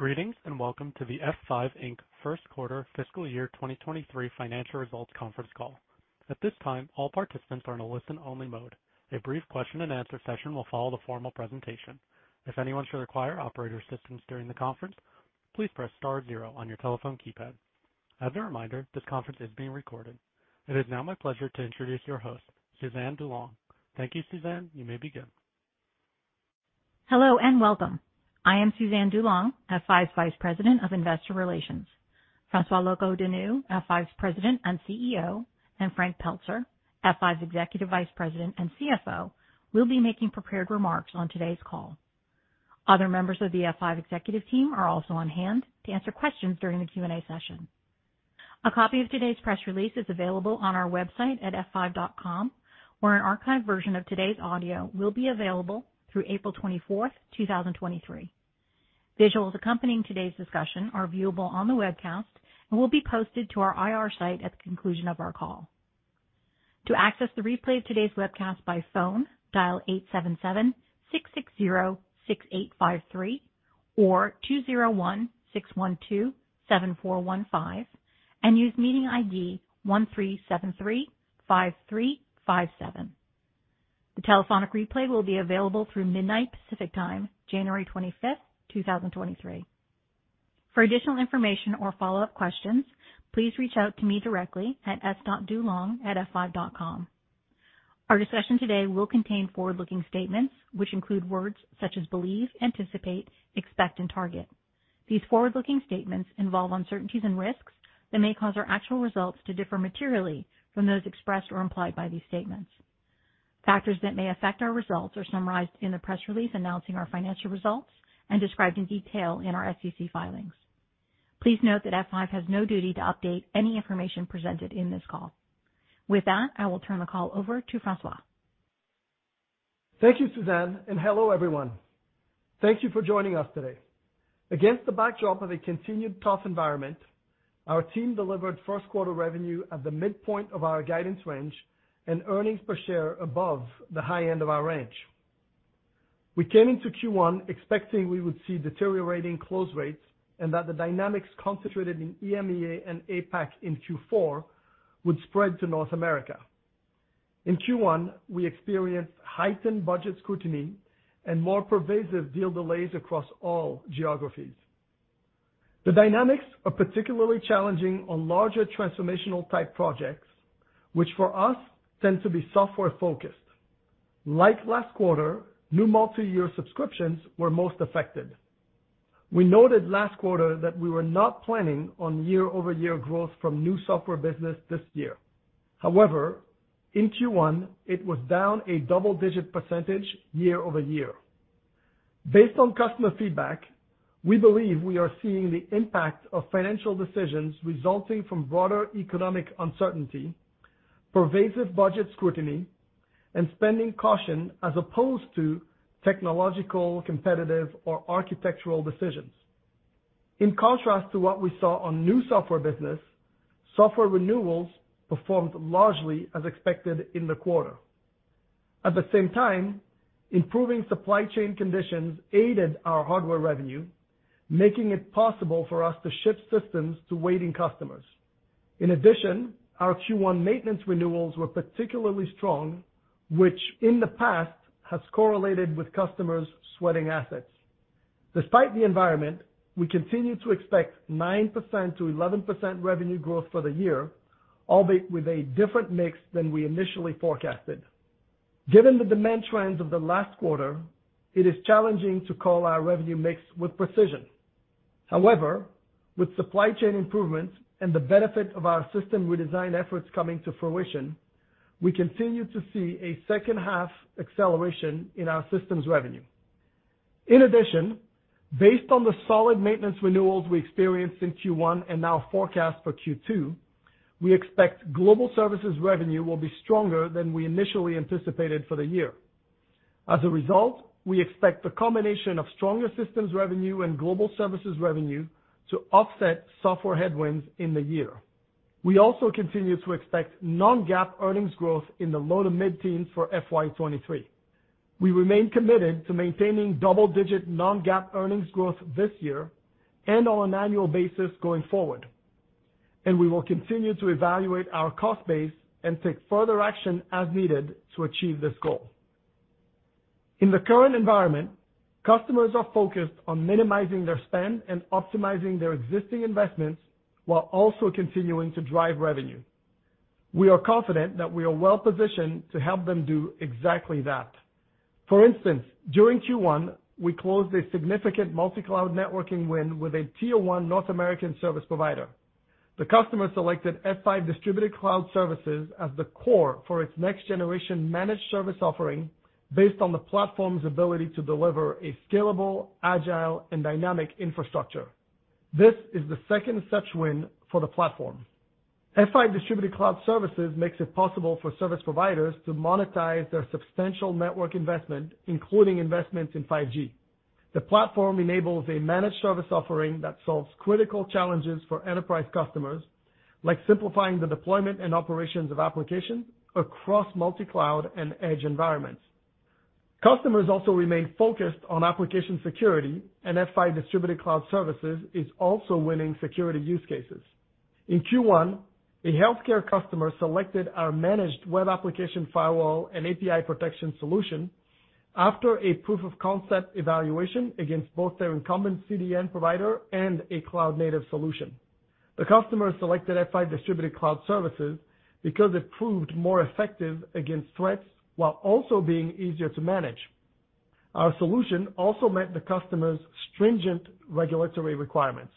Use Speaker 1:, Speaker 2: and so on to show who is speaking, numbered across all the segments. Speaker 1: Greetings, welcome to the F5 Inc. first quarter fiscal year 2023 financial results conference call. At this time, all participants are in a listen-only mode. A brief question-and-answer session will follow the formal presentation. If anyone should require operator assistance during the conference, please press star zero on your telephone keypad. As a reminder, this conference is being recorded. It is now my pleasure to introduce your host, Suzanne DuLong. Thank you, Suzanne. You may begin.
Speaker 2: Hello and welcome. I am Suzanne DuLong, F5's Vice President of Investor Relations. François Locoh-Donou, F5's President and CEO, and Frank Pelzer, F5's Executive Vice President and CFO, will be making prepared remarks on today's call. Other members of the F5 executive team are also on hand to answer questions during the Q&A session. A copy of today's press release is available on our website at f5.com, where an archived version of today's audio will be available through April twenty-fourth, 2023. Visuals accompanying today's discussion are viewable on the webcast and will be posted to our IR site at the conclusion of our call. To access the replay of today's webcast by phone, dial 877-660-6853 or 201-612-7415 and use meeting ID 13735357. The telephonic replay will be available through midnight Pacific Time, January 25, 2023. For additional information or follow-up questions, please reach out to me directly at s.dulong@f5.com. Our discussion today will contain forward-looking statements, which include words such as believe, anticipate, expect and target. These forward-looking statements involve uncertainties and risks that may cause our actual results to differ materially from those expressed or implied by these statements. Factors that may affect our results are summarized in the press release announcing our financial results and described in detail in our SEC filings. Please note that F5 has no duty to update any information presented in this call. With that, I will turn the call over to François.
Speaker 3: Thank you, Suzanne. Hello everyone. Thank you for joining us today. Against the backdrop of a continued tough environment, our team delivered first quarter revenue at the midpoint of our guidance range and earnings per share above the high end of our range. We came into Q1 expecting we would see deteriorating close rates and that the dynamics concentrated in EMEA and APAC in Q4 would spread to North America. In Q1, we experienced heightened budget scrutiny and more pervasive deal delays across all geographies. The dynamics are particularly challenging on larger transformational-type projects, which for us tend to be software-focused. Like last quarter, new multi-year subscriptions were most affected. We noted last quarter that we were not planning on year-over-year growth from new software business this year. In Q1 it was down a double-digit % year-over-year. Based on customer feedback, we believe we are seeing the impact of financial decisions resulting from broader economic uncertainty, pervasive budget scrutiny, and spending caution as opposed to technological, competitive or architectural decisions. In contrast to what we saw on new software business, software renewals performed largely as expected in the quarter. At the same time, improving supply chain conditions aided our hardware revenue, making it possible for us to ship systems to waiting customers. Our Q1 maintenance renewals were particularly strong, which in the past has correlated with customers sweating assets. Despite the environment, we continue to expect 9%-11% revenue growth for the year, albeit with a different mix than we initially forecasted. Given the demand trends of the last quarter, it is challenging to call our revenue mix with precision. However, with supply chain improvements and the benefit of our system redesign efforts coming to fruition, we continue to see a second half acceleration in our systems revenue. In addition, based on the solid maintenance renewals we experienced in Q1 and now forecast for Q2, we expect global services revenue will be stronger than we initially anticipated for the year. As a result, we expect the combination of stronger systems revenue and global services revenue to offset software headwinds in the year. We also continue to expect non-GAAP earnings growth in the low to mid-teens for FY23. We remain committed to maintaining double-digit non-GAAP earnings growth this year and on an annual basis going forward, and we will continue to evaluate our cost base and take further action as needed to achieve this goal. In the current environment, customers are focused on minimizing their spend and optimizing their existing investments while also continuing to drive revenue. We are confident that we are well-positioned to help them do exactly that. For instance, during Q1 we closed a significant multi-cloud networking win with a tier-1 North American service provider. The customer selected F5 Distributed Cloud Services as the core for its next-generation managed service offering based on the platform's ability to deliver a scalable, agile and dynamic infrastructure. This is the second such win for the platform. F5 Distributed Cloud Services makes it possible for service providers to monetize their substantial network investment, including investments in 5G. The platform enables a managed service offering that solves critical challenges for enterprise customers, like simplifying the deployment and operations of applications across multi-cloud and edge environments. Customers also remain focused on application security. F5 Distributed Cloud Services is also winning security use cases. In Q1, a healthcare customer selected our managed web application firewall and API protection solution after a proof-of-concept evaluation against both their incumbent CDN provider and a cloud-native solution. The customer selected F5 Distributed Cloud Services because it proved more effective against threats while also being easier to manage. Our solution also met the customer's stringent regulatory requirements.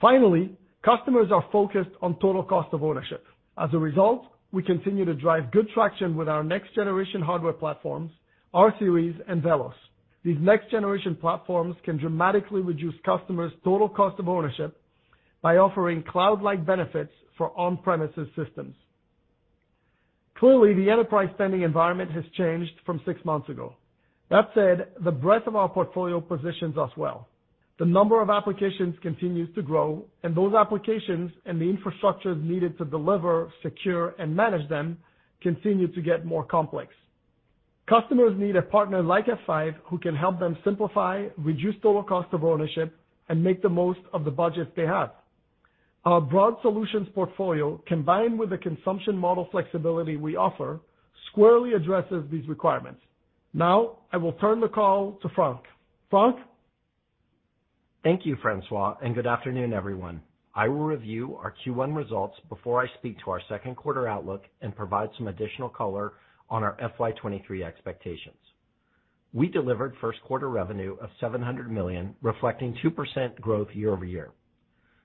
Speaker 3: Customers are focused on total cost of ownership. We continue to drive good traction with our next-generation hardware platforms, rSeries, and VELOS. These next-generation platforms can dramatically reduce customers' total cost of ownership by offering cloud-like benefits for on-premises systems. The enterprise spending environment has changed from 6 months ago. The breadth of our portfolio positions us well. The number of applications continues to grow. Those applications and the infrastructures needed to deliver, secure, and manage them continue to get more complex. Customers need a partner like F5 who can help them simplify, reduce total cost of ownership, and make the most of the budgets they have. Our broad solutions portfolio, combined with the consumption model flexibility we offer, squarely addresses these requirements. Now, I will turn the call to Frank. Frank?
Speaker 4: Thank you, François, good afternoon, everyone. I will review our Q1 results before I speak to our second quarter outlook and provide some additional color on our FY23 expectations. We delivered first quarter revenue of $700 million, reflecting 2% growth year-over-year.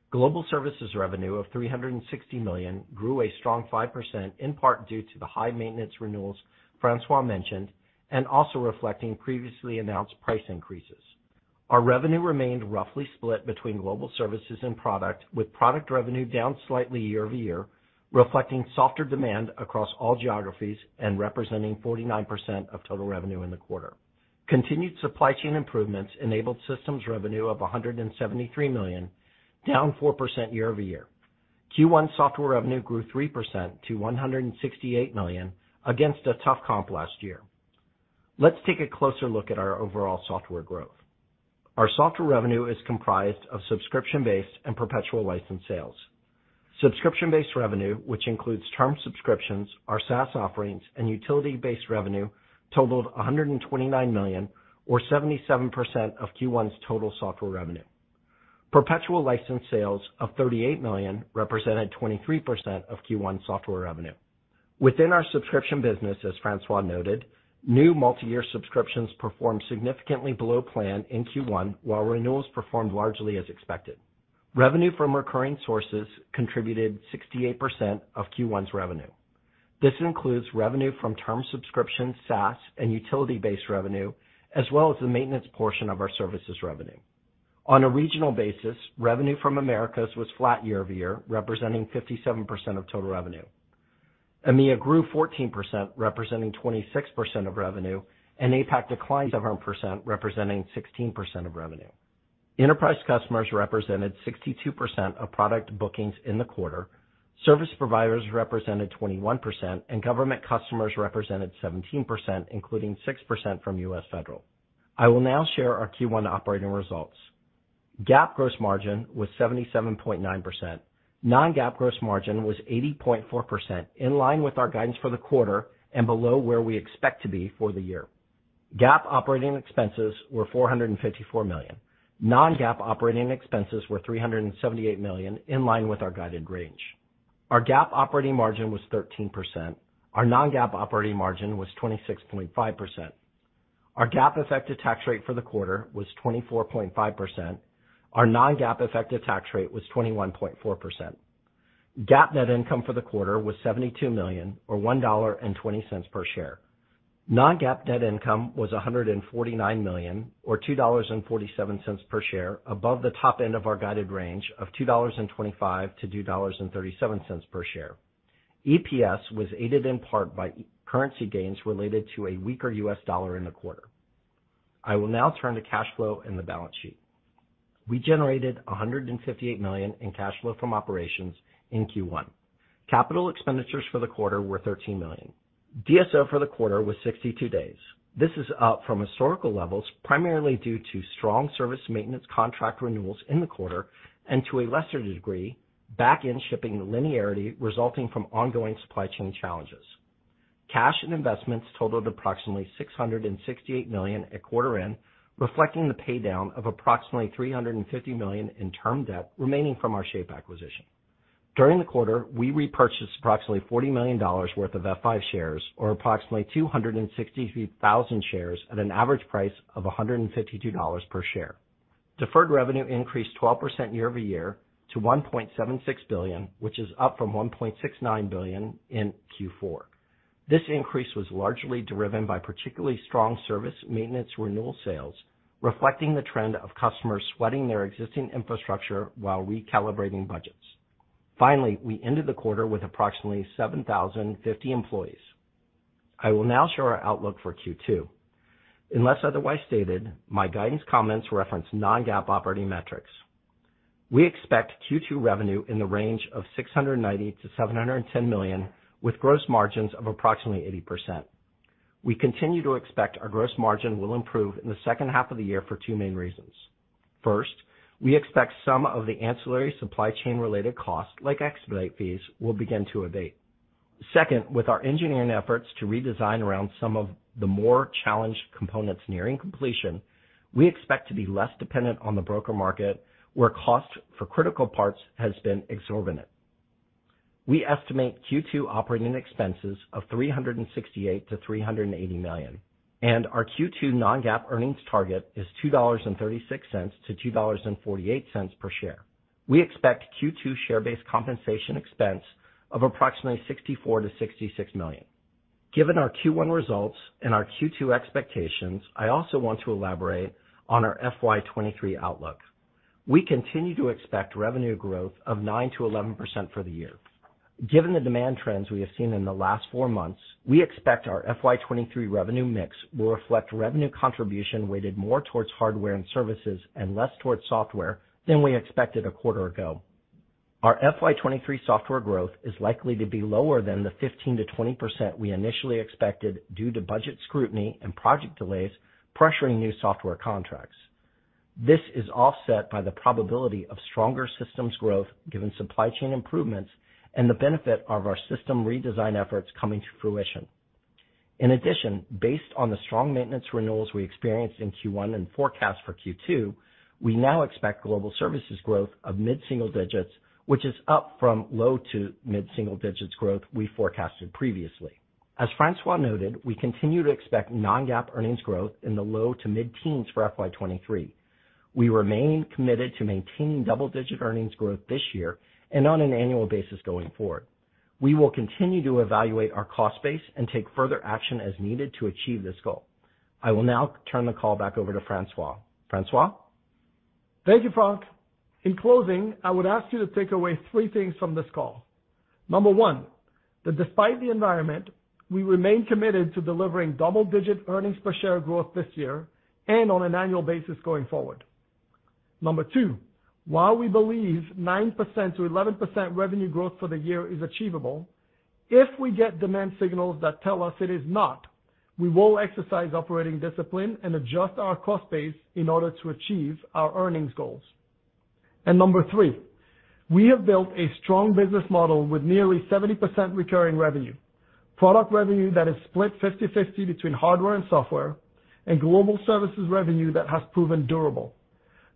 Speaker 4: Global services revenue of $360 million grew a strong 5%, in part due to the high maintenance renewals François mentioned, and also reflecting previously announced price increases. Our revenue remained roughly split between global services and product, with product revenue down slightly year-over-year, reflecting softer demand across all geographies and representing 49% of total revenue in the quarter. Continued supply chain improvements enabled systems revenue of $173 million, down 4% year-over-year. Q1 software revenue grew 3% to $168 million against a tough comp last year. Let's take a closer look at our overall software growth. Our software revenue is comprised of subscription-based and perpetual license sales. Subscription-based revenue, which includes term subscriptions, our SaaS offerings, and utility-based revenue totaled $129 million or 77% of Q1's total software revenue. Perpetual license sales of $38 million represented 23% of Q1 software revenue. Within our subscription business, as François noted, new multiyear subscriptions performed significantly below plan in Q1, while renewals performed largely as expected. Revenue from recurring sources contributed 68% of Q1's revenue. This includes revenue from term subscriptions, SaaS, and utility-based revenue, as well as the maintenance portion of our services revenue. On a regional basis, revenue from Americas was flat year-over-year, representing 57% of total revenue. EMEIA grew 14%, representing 26% of revenue. APAC declined 7%, representing 16% of revenue. Enterprise customers represented 62% of product bookings in the quarter, service providers represented 21%, and government customers represented 17%, including 6% from US Federal. I will now share our Q1 operating results. GAAP gross margin was 77.9%. non-GAAP gross margin was 80.4%, in line with our guidance for the quarter and below where we expect to be for the year. GAAP operating expenses were $454 million. non-GAAP operating expenses were $378 million, in line with our guided range. Our GAAP operating margin was 13%. Our non-GAAP operating margin was 26.5%. Our GAAP effective tax rate for the quarter was 24.5%. Our non-GAAP effective tax rate was 21.4%. GAAP net income for the quarter was $72 million or $1.20 per share. non-GAAP net income was $149 million or $2.47 per share, above the top end of our guided range of $2.25-$2.37 per share. EPS was aided in part by currency gains related to a weaker US dollar in the quarter. I will now turn to cash flow and the balance sheet. We generated $158 million in cash flow from operations in Q1. Capital expenditures for the quarter were $13 million. DSO for the quarter was 62 days. This is up from historical levels, primarily due to strong service maintenance contract renewals in the quarter, and to a lesser degree, back-end shipping linearity resulting from ongoing supply chain challenges. Cash and investments totaled approximately $668 million at quarter end, reflecting the paydown of approximately $350 million in term debt remaining from our Shape acquisition. During the quarter, we repurchased approximately $40 million worth of F5 shares or approximately 263,000 shares at an average price of $152 per share. Deferred revenue increased 12% year-over-year to $1.76 billion, which is up from $1.69 billion in Q4. This increase was largely driven by particularly strong service maintenance renewal sales, reflecting the trend of customers sweating their existing infrastructure while recalibrating budgets. We ended the quarter with approximately 7,050 employees. I will now show our outlook for Q2. Unless otherwise stated, my guidance comments reference non-GAAP operating metrics. We expect Q2 revenue in the range of $690 million-$710 million, with gross margins of approximately 80%. We continue to expect our gross margin will improve in the second half of the year for two main reasons. First, we expect some of the ancillary supply chain related costs, like expedite fees, will begin to abate. Second, with our engineering efforts to redesign around some of the more challenged components nearing completion, we expect to be less dependent on the broker market, where cost for critical parts has been exorbitant. We estimate Q2 operating expenses of $368 million-$380 million, and our Q2 non-GAAP earnings target is $2.36-$2.48 per share. We expect Q2 share-based compensation expense of approximately $64 million-$66 million. Given our Q1 results and our Q2 expectations, I also want to elaborate on our FY23 outlook. We continue to expect revenue growth of 9%-11% for the year. Given the demand trends we have seen in the last four months, we expect our FY23 revenue mix will reflect revenue contribution weighted more towards hardware and services and less towards software than we expected a quarter ago. Our FY23 software growth is likely to be lower than the 15%-20% we initially expected due to budget scrutiny and project delays pressuring new software contracts. This is offset by the probability of stronger systems growth given supply chain improvements and the benefit of our system redesign efforts coming to fruition. In addition, based on the strong maintenance renewals we experienced in Q1 and forecast for Q2, we now expect global services growth of mid-single digits, which is up from low to mid-single digits growth we forecasted previously. As Francois noted, we continue to expect non-GAAP earnings growth in the low to mid-teens for FY23. We remain committed to maintaining double-digit earnings growth this year and on an annual basis going forward. We will continue to evaluate our cost base and take further action as needed to achieve this goal. I will now turn the call back over to Francois. Francois?
Speaker 3: Thank you, Frank. In closing, I would ask you to take away 3 things from this call. Number 1, that despite the environment, we remain committed to delivering double-digit earnings per share growth this year and on an annual basis going forward. Number 2, while we believe 9%-11% revenue growth for the year is achievable, if we get demand signals that tell us it is not, we will exercise operating discipline and adjust our cost base in order to achieve our earnings goals. Number 3, we have built a strong business model with nearly 70% recurring revenue, product revenue that is split 50/50 between hardware and software, and global services revenue that has proven durable.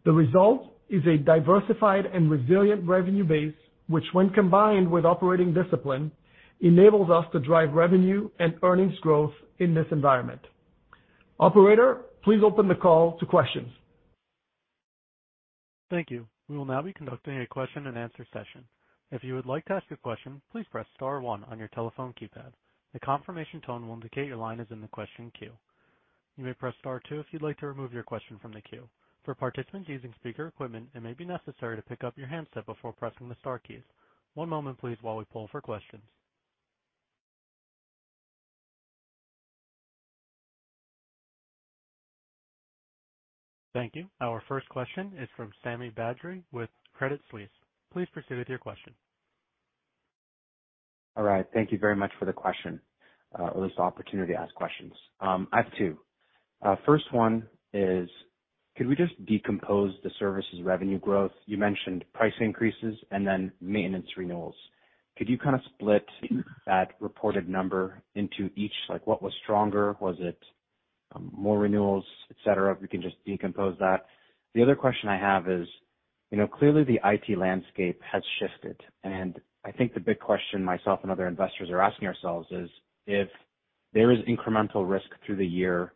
Speaker 3: The result is a diversified and resilient revenue base, which when combined with operating discipline, enables us to drive revenue and earnings growth in this environment. Operator, please open the call to questions.
Speaker 1: Thank you. We will now be conducting a question-and-answer session. If you would like to ask a question, please press star one on your telephone keypad. The confirmation tone will indicate your line is in the question queue. You may press star two if you'd like to remove your question from the queue. For participants using speaker equipment, it may be necessary to pick up your handset before pressing the star keys. One moment please while we poll for questions. Thank you. Our first question is from Sami Badri with Credit Suisse. Please proceed with your question.
Speaker 5: All right. Thank you very much for the question, or this opportunity to ask questions. I have two. First one is could we just decompose the services revenue growth? You mentioned price increases and then maintenance renewals. Could you kinda split that reported number into each, like what was stronger? Was it, more renewals, et cetera? If you can just decompose that. The other question I have is, you know, clearly the IT landscape has shifted, and I think the big question myself and other investors are asking ourselves is, if there is incremental risk through the year,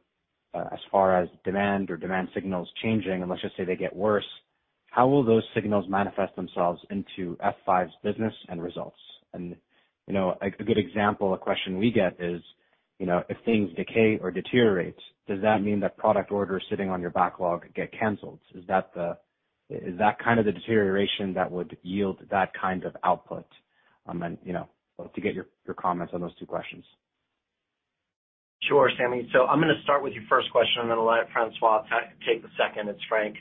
Speaker 5: as far as demand or demand signals changing, and let's just say they get worse, how will those signals manifest themselves into F5's business and results? You know, a good example, a question we get is, you know, if things decay or deteriorate, does that mean that product orders sitting on your backlog get canceled? Is that kind of the deterioration that would yield that kind of output? You know, love to get your comments on those two questions.
Speaker 4: Sure, Sammy. I'm gonna start with your first question, and then I'll let François take the second. It's Frank.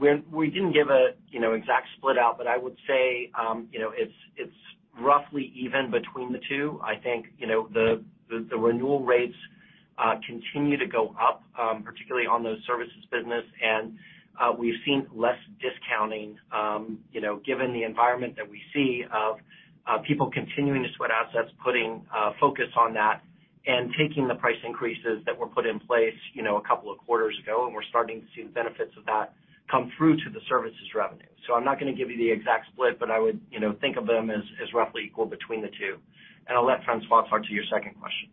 Speaker 4: We, we didn't give a, you know, exact split out, but I would say, you know, it's roughly even between the two. I think, you know, the, the renewal rates continue to go up, particularly on those services business. We've seen less discounting, you know, given the environment that we see of people continuing to sweat assets, putting focus on that and taking the price increases that were put in place, you know, a couple of quarters ago, and we're starting to see the benefits of that come through to the services revenue. I'm not gonna give you the exact split, but I would, you know, think of them as roughly equal between the two. I'll let François answer your second question.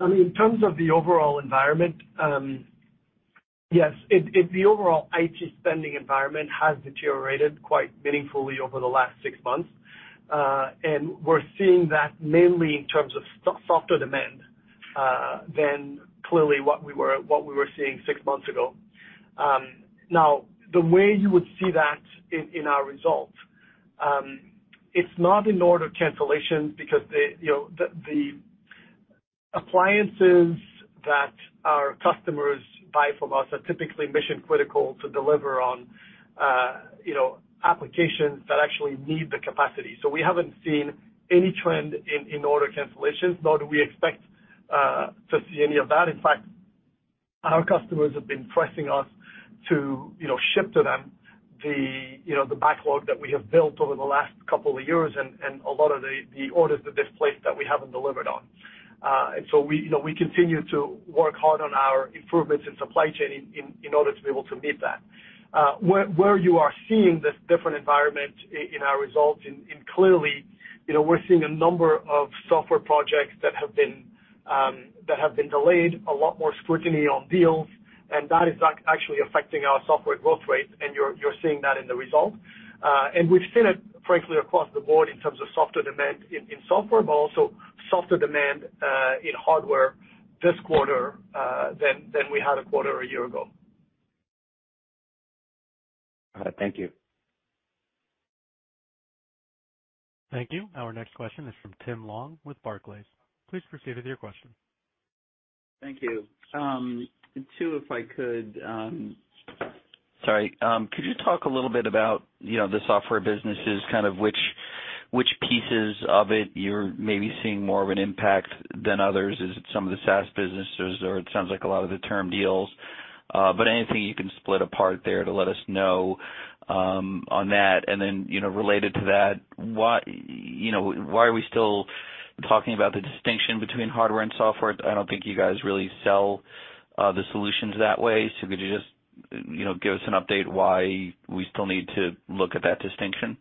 Speaker 3: I mean, in terms of the overall environment, yes, the overall IT spending environment has deteriorated quite meaningfully over the last six months. We're seeing that mainly in terms of software demand Than clearly what we were seeing six months ago. Now the way you would see that in our results, it's not in order cancellations because they, you know, the appliances that our customers buy from us are typically mission-critical to deliver on, you know, applications that actually need the capacity. We haven't seen any trend in order cancellations, nor do we expect to see any of that. In fact, our customers have been pressing us to, you know, ship to them the backlog that we have built over the last couple of years and a lot of the orders that they've placed that we haven't delivered on. We, you know, we continue to work hard on our improvements in supply chain in order to be able to meet that. where you are seeing this different environment in our results and clearly, you know, we're seeing a number of software projects that have been delayed, a lot more scrutiny on deals, and that is actually affecting our software growth rate, and you're seeing that in the results. We've seen it, frankly, across the board in terms of softer demand in software, but also softer demand in hardware this quarter than we had a quarter a year ago.
Speaker 5: All right. Thank you.
Speaker 1: Thank you. Our next question is from Tim Long with Barclays. Please proceed with your question.
Speaker 6: Thank you. Two, if I could, sorry. Could you talk a little bit about, you know, the software businesses, kind of which pieces of it you're maybe seeing more of an impact than others? Is it some of the SaaS businesses, or it sounds like a lot of the term deals? Anything you can split apart there to let us know, on that. You know, related to that, why, you know, why are we still talking about the distinction between hardware and software? I don't think you guys really sell the solutions that way. Could you just, you know, give us an update why we still need to look at that distinction?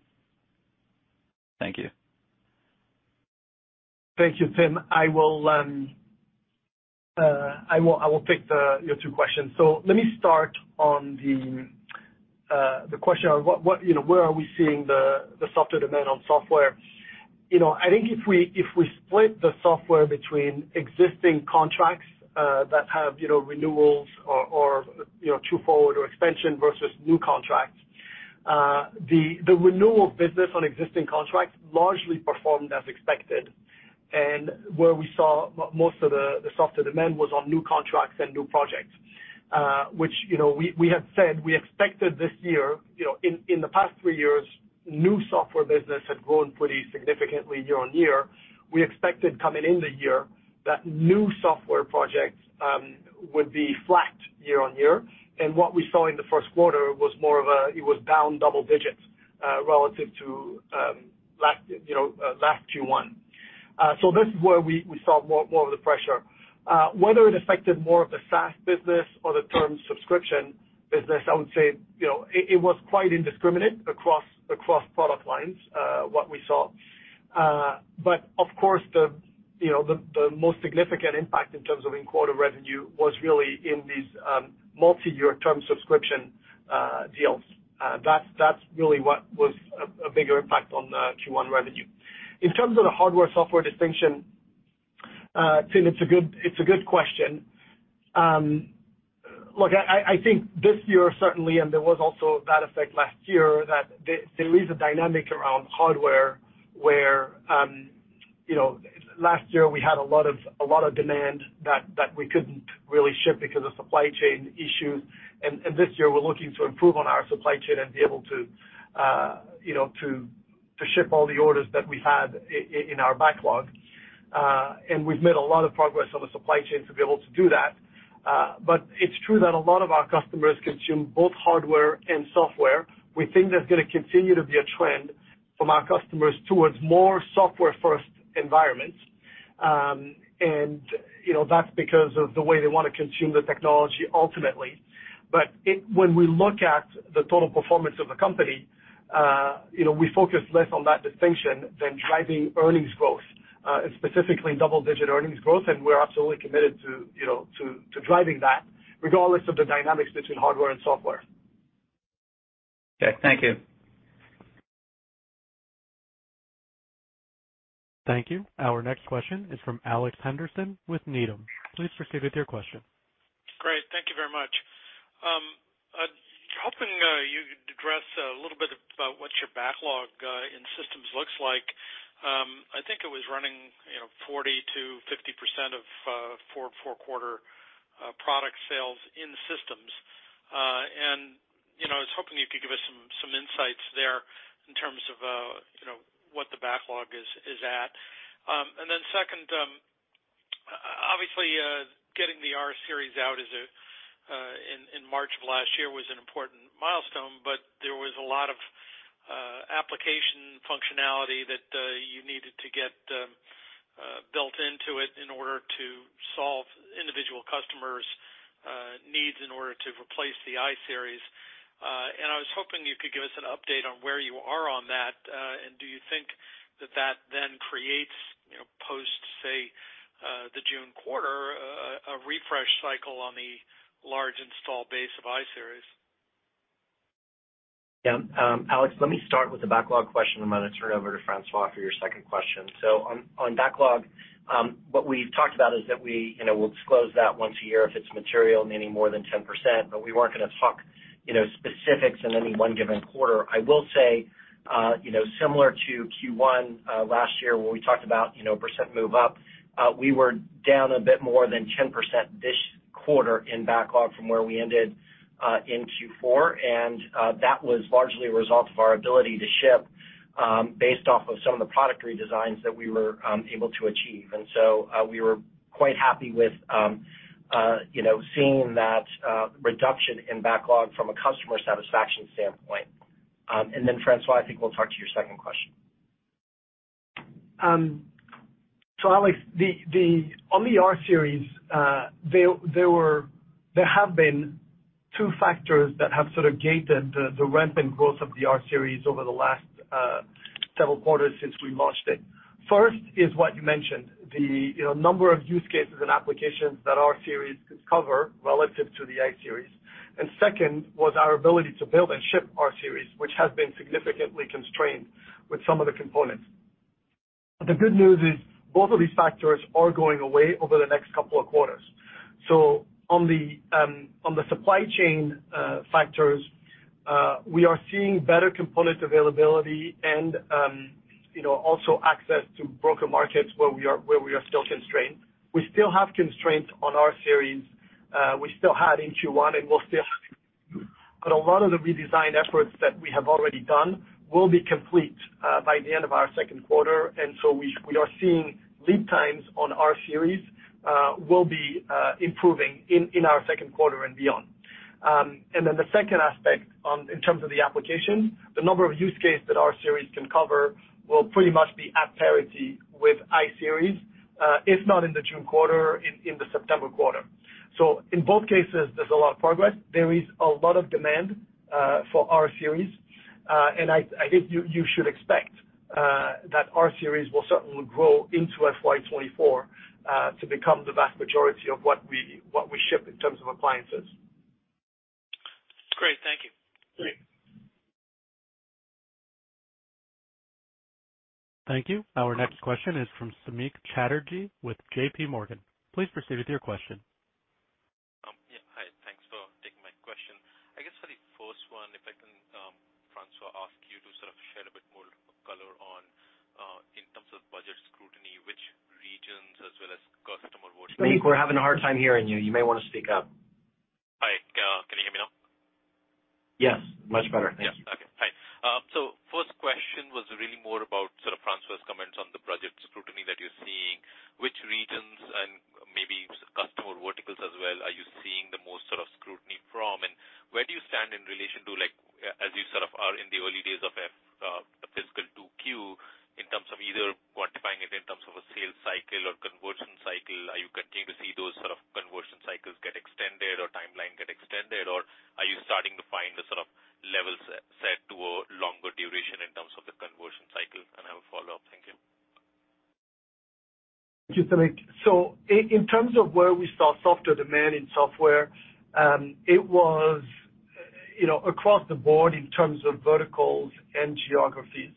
Speaker 6: Thank you.
Speaker 3: Thank you, Tim. I will take your two questions. Let me start on the question of what, you know, where are we seeing the softer demand on software. You know, I think if we, if we split the software between existing contracts that have, you know, renewals or, you know, true forward or expansion versus new contracts, the renewal business on existing contracts largely performed as expected. Where we saw most of the softer demand was on new contracts and new projects, which, you know, we had said we expected this year, you know, in the past three years, new software business had grown pretty significantly year-on-year. We expected coming in the year that new software projects would be flat year-on-year. What we saw in the first quarter was it was down double digits, relative to last, you know, last Q1. This is where we saw more of the pressure. Whether it affected more of the SaaS business or the term subscription business, I would say, you know, it was quite indiscriminate across product lines, what we saw. Of course the, you know, the most significant impact in terms of in quarter revenue was really in these multiyear term subscription deals. That's really what was a bigger impact on the Q1 revenue. In terms of the hardware, software distinction, Tim, it's a good question. Look, I think this year certainly, there was also that effect last year, that there is a dynamic around hardware where, you know, last year we had a lot of demand that we couldn't really ship because of supply chain issues. This year we're looking to improve on our supply chain and be able to, you know, to ship all the orders that we had in our backlog. We've made a lot of progress on the supply chain to be able to do that. It's true that a lot of our customers consume both hardware and software. We think there's gonna continue to be a trend from our customers towards more software-first environments. You know, that's because of the way they wanna consume the technology ultimately. When we look at the total performance of the company, you know, we focus less on that distinction than driving earnings growth, and specifically double-digit earnings growth. We're absolutely committed to, you know, to driving that regardless of the dynamics between hardware and software.
Speaker 6: Okay. Thank you.
Speaker 1: Thank you. Our next question is from Alex Henderson with Needham. Please proceed with your question.
Speaker 7: Great. Thank you very much. I'm hoping you could address a little bit about what your backlog in systems looks like. I think it was running, you know, 40%-50% of fourth quarter product sales in systems. You know, I was hoping you could give us some insights there in terms of, you know, what the backlog is at. Second, obviously, getting the rSeries out as a in March of last year was an important milestone, but there was a lot of application functionality that you needed to get built into it in order to solve individual customers' needs in order to replace the iSeries. I was hoping you could give us an update on where you are on that. Do you think that that then creates, you know, post, say, the June quarter, a refresh cycle on the large install base of iSeries?
Speaker 4: Yeah. Alex, let me start with the backlog question. I'm gonna turn it over to François for your second question. On backlog, what we've talked about is that we, you know, we'll disclose that once a year if it's material, meaning more than 10%, but we weren't gonna talk, you know, specifics in any one given quarter. I will say, you know, similar to Q1 last year when we talked about, you know, percent move up, we were down a bit more than 10% this quarter in backlog from where we ended in Q4, and that was largely a result of our ability to ship based off of some of the product redesigns that we were able to achieve. We were quite happy with, you know, seeing that, reduction in backlog from a customer satisfaction standpoint. François, I think we'll talk to your second question.
Speaker 3: Alex, on the rSeries, there have been two factors that have sort of gated the rampant growth of the rSeries over the last several quarters since we launched it. First is what you mentioned, the, you know, number of use cases and applications that rSeries could cover relative to the iSeries. Second was our ability to build and ship rSeries, which has been significantly constrained with some of the components. The good news is both of these factors are going away over the next couple of quarters. On the supply chain factors, we are seeing better component availability and, you know, also access to broker markets where we are still constrained. We still have constraints on rSeries. We still had in Q1, we'll still have in Q2. A lot of the redesign efforts that we have already done will be complete by the end of our second quarter. We are seeing lead times on rSeries will be improving in our second quarter and beyond. Then the second aspect on, in terms of the application, the number of use case that rSeries can cover will pretty much be at parity with iSeries, if not in the June quarter, in the September quarter. In both cases, there's a lot of progress. There is a lot of demand for rSeries. I think you should expect that rSeries will certainly grow into FY24 to become the vast majority of what we ship in terms of appliances.
Speaker 7: Great. Thank you.
Speaker 3: Great.
Speaker 1: Thank you. Our next question is from Samik Chatterjee with J.P. Morgan. Please proceed with your question.
Speaker 8: Yeah. Hi. Thanks for taking my question. I guess for the first one, if I can, François, ask you to sort of shed a bit more color on, in terms of budget scrutiny, which regions as well as customer verticals-
Speaker 4: Samik, we're having a hard time hearing you. You may wanna speak up.
Speaker 8: Hi. Can you hear me now?
Speaker 4: Yes, much better. Thank you.
Speaker 8: Yes. Okay. Hi. First question was really more about sort of François's comments on the budget scrutiny that you're seeing. Which regions and maybe customer verticals as well are you seeing the most sort of scrutiny from? Where do you stand in relation to like, as you sort of are in the early days of fiscal 2Q in terms of either quantifying it in terms of a sales cycle or conversion cycle? Are you continuing to see those sorts of conversion cycles get extended or timeline get extended? Are you starting to find a sort of level set toward longer duration in terms of the conversion cycle? I have a follow-up. Thank you.
Speaker 3: Thank you, Samik. In terms of where we saw softer demand in software, it was, you know, across the board in terms of verticals and geographies.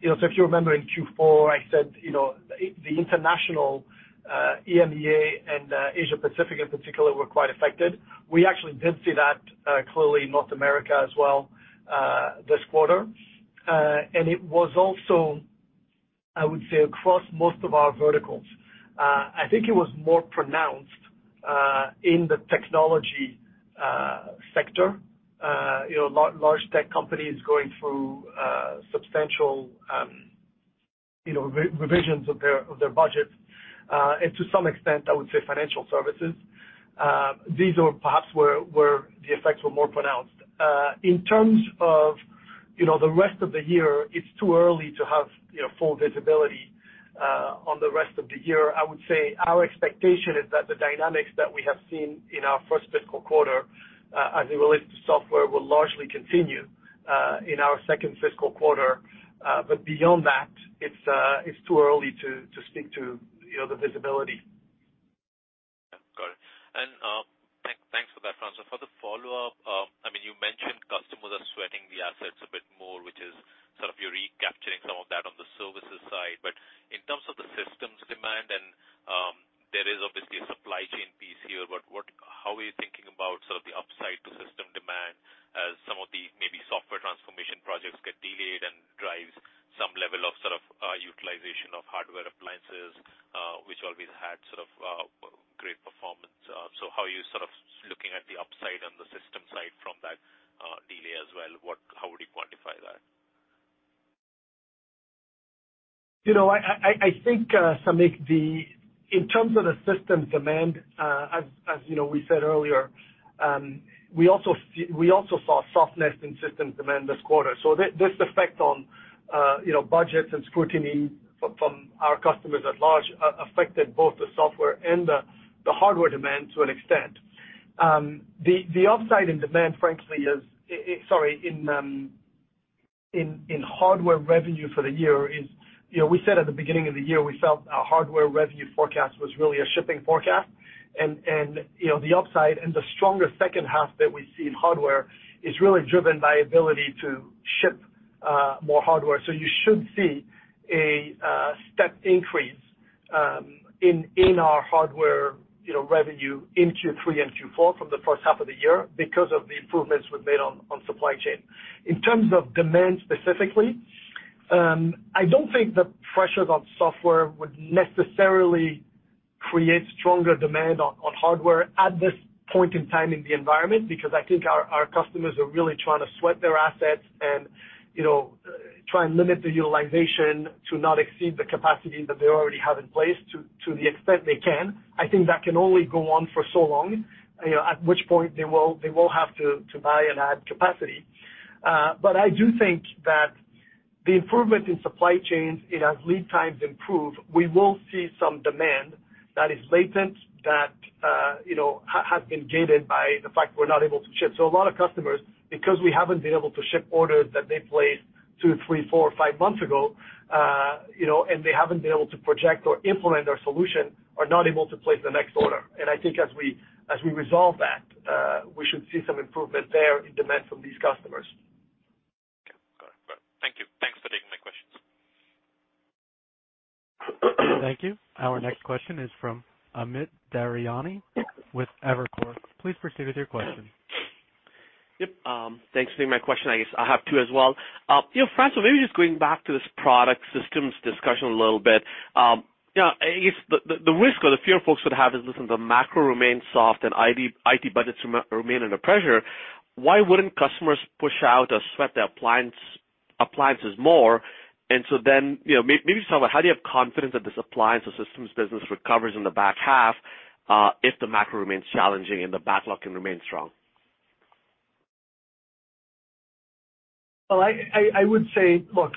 Speaker 3: You know, if you remember in Q4, I said, you know, the international, EMEIA and Asia Pacific in particular were quite affected. We actually did see that clearly in North America as well this quarter. It was also, I would say, across most of our verticals. I think it was more pronounced in the technology sector, you know, large tech companies going through substantial, you know, revisions of their, of their budgets, and to some extent, I would say financial services. These are perhaps where the effects were more pronounced. In terms of, you know, the rest of the year, it's too early to have, you know, full visibility on the rest of the year. I would say our expectation is that the dynamics that we have seen in our first fiscal quarter, as it relates to software, will largely continue in our second fiscal quarter. Beyond that, it's too early to speak to, you know, the visibility.
Speaker 8: Yeah. Got it. Thanks for that, François. For the follow-up. I mean, you mentioned customers are sweating the assets a bit more, which is sort of you're recapturing some of that on the services side. In terms of the systems demand, and there is obviously a supply chain piece here, how are you thinking about sort of the upside to system demand as some of the maybe software transformation projects get delayed and drives some level of sort of utilization of hardware appliances, which always had sort of great performance? How are you sort of looking at the upside on the system side from that delay as well? How would you quantify that?
Speaker 3: You know, I think Samik, in terms of the system demand, as you know, we said earlier, we also saw softness in system demand this quarter. This effect on, you know, budgets and scrutiny from our customers at large, affected both the software and the hardware demand to an extent. The upside in demand frankly is, sorry, in hardware revenue for the year is, you know, we said at the beginning of the year we felt our hardware revenue forecast was really a shipping forecast. You know, the upside and the stronger second half that we see in hardware is really driven by ability to ship more hardware. You should see a step increase in our hardware, you know, revenue in Q3 and Q4 from the first half of the year because of the improvements we've made on supply chain. In terms of demand specifically, I don't think the pressures on software would necessarily create stronger demand on hardware at this point in time in the environment because I think our customers are really trying to sweat their assets and, you know, try and limit the utilization to not exceed the capacity that they already have in place to the extent they can. I think that can only go on for so long, you know, at which point they will have to buy and add capacity. I do think that the improvement in supply chains, as lead times improve, we will see some demand that is latent that, you know, has been gated by the fact we're not able to ship. A lot of customers, because we haven't been able to ship orders that they placed two, three, four, five months ago, you know, and they haven't been able to project or implement their solution, are not able to place the next order. I think as we, as we resolve that, we should see some improvement there in demand from these customers.
Speaker 8: Okay. Got it. Thank you. Thanks for taking my questions.
Speaker 1: Thank you. Our next question is from Amit Daryanani with Evercore. Please proceed with your question.
Speaker 9: Yep. Thanks for taking my question. I guess I have two as well. You know, François, maybe just going back to this product systems discussion a little bit. You know, I guess the risk or the fear folks would have is, listen, the macro remains soft and IT budgets remain under pressure. Why wouldn't customers push out or sweat their appliances more? You know, maybe just talk about how do you have confidence that this appliance or systems business recovers in the back half if the macro remains challenging and the backlog can remain strong?
Speaker 3: Well, I would say, look,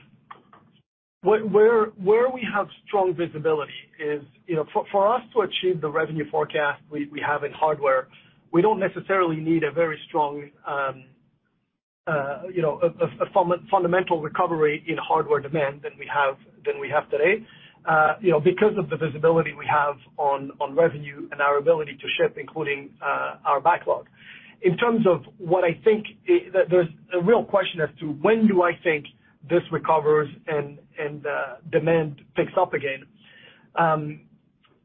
Speaker 3: where we have strong visibility is, you know, for us to achieve the revenue forecast we have in hardware, we don't necessarily need a very strong, you know, a fundamental recovery in hardware demand than we have today, you know, because of the visibility we have on revenue and our ability to ship, including our backlog. In terms of what I think, there's a real question as to when do I think this recovers and demand picks up again.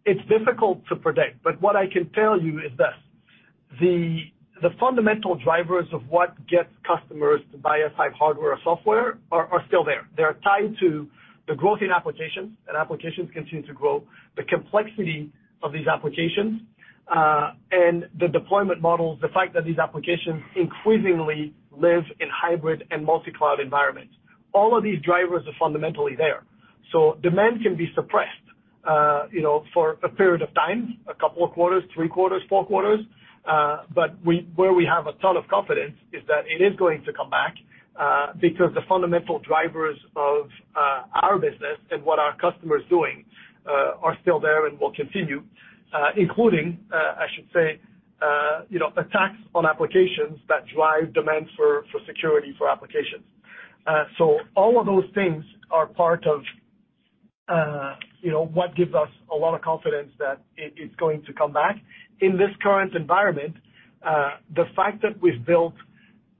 Speaker 3: It's difficult to predict, but what I can tell you is this: the fundamental drivers of what gets customers to buy F5 hardware or software are still there. They are tied to the growth in applications, and applications continue to grow, the complexity of these applications, and the deployment models, the fact that these applications increasingly live in hybrid and multi-cloud environments. All of these drivers are fundamentally there. Demand can be suppressed, you know, for a period of time, a couple of quarters, three quarters, four quarters. Where we have a ton of confidence is that it is going to come back, because the fundamental drivers of our business and what our customers' doing, are still there and will continue, including, I should say, you know, attacks on applications that drive demand for security for applications. All of those things are part of, you know, what gives us a lot of confidence that it is going to come back. In this current environment, the fact that we've built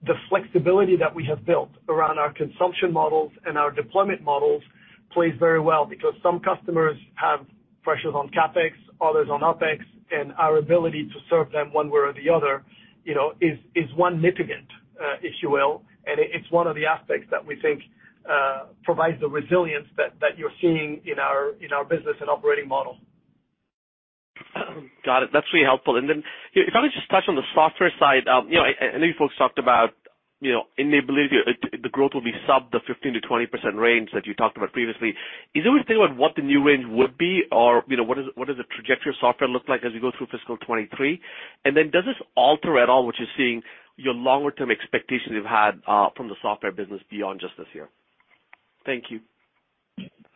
Speaker 3: the flexibility that we have built around our consumption models and our deployment models plays very well because some customers have pressures on CapEx, others on OpEx, and our ability to serve them one way or the other, you know, is one mitigant, if you will, and it's one of the aspects that we think provides the resilience that you're seeing in our business and operating model.
Speaker 9: Got it. That's really helpful. If I could just touch on the software side. You know, I know you folks talked about, you know, the growth will be sub the 15%-20% range that you talked about previously. Is there anything about what the new range would be or, you know, what does the trajectory of software look like as we go through FY23? Does this alter at all what you're seeing your longer term expectations you've had from the software business beyond just this year? Thank you.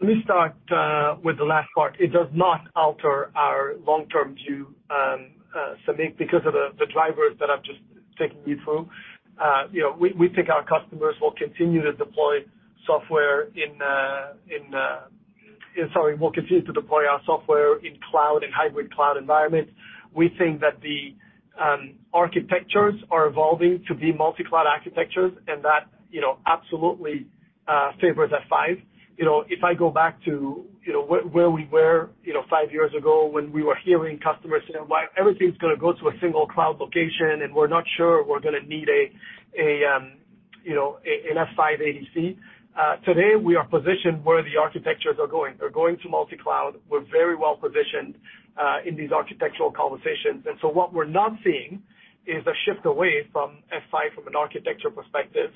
Speaker 3: Let me start with the last part. It does not alter our long-term view, Amit, because of the drivers that I'm just taking you through. You know, we think our customers will continue to deploy software in cloud and hybrid cloud environments. We think that the architectures are evolving to be multi-cloud architectures, and that, you know, absolutely favors F5. You know, if I go back to, you know, where we were, you know, 5 years ago when we were hearing customers say, "Well, everything's gonna go to a single cloud location, and we're not sure we're gonna need a, you know, an F5 ADC." Today we are positioned where the architectures are going. They're going to multi-cloud. We're very well-positioned in these architectural conversations. What we're not seeing is a shift away from F5 from an architecture perspective.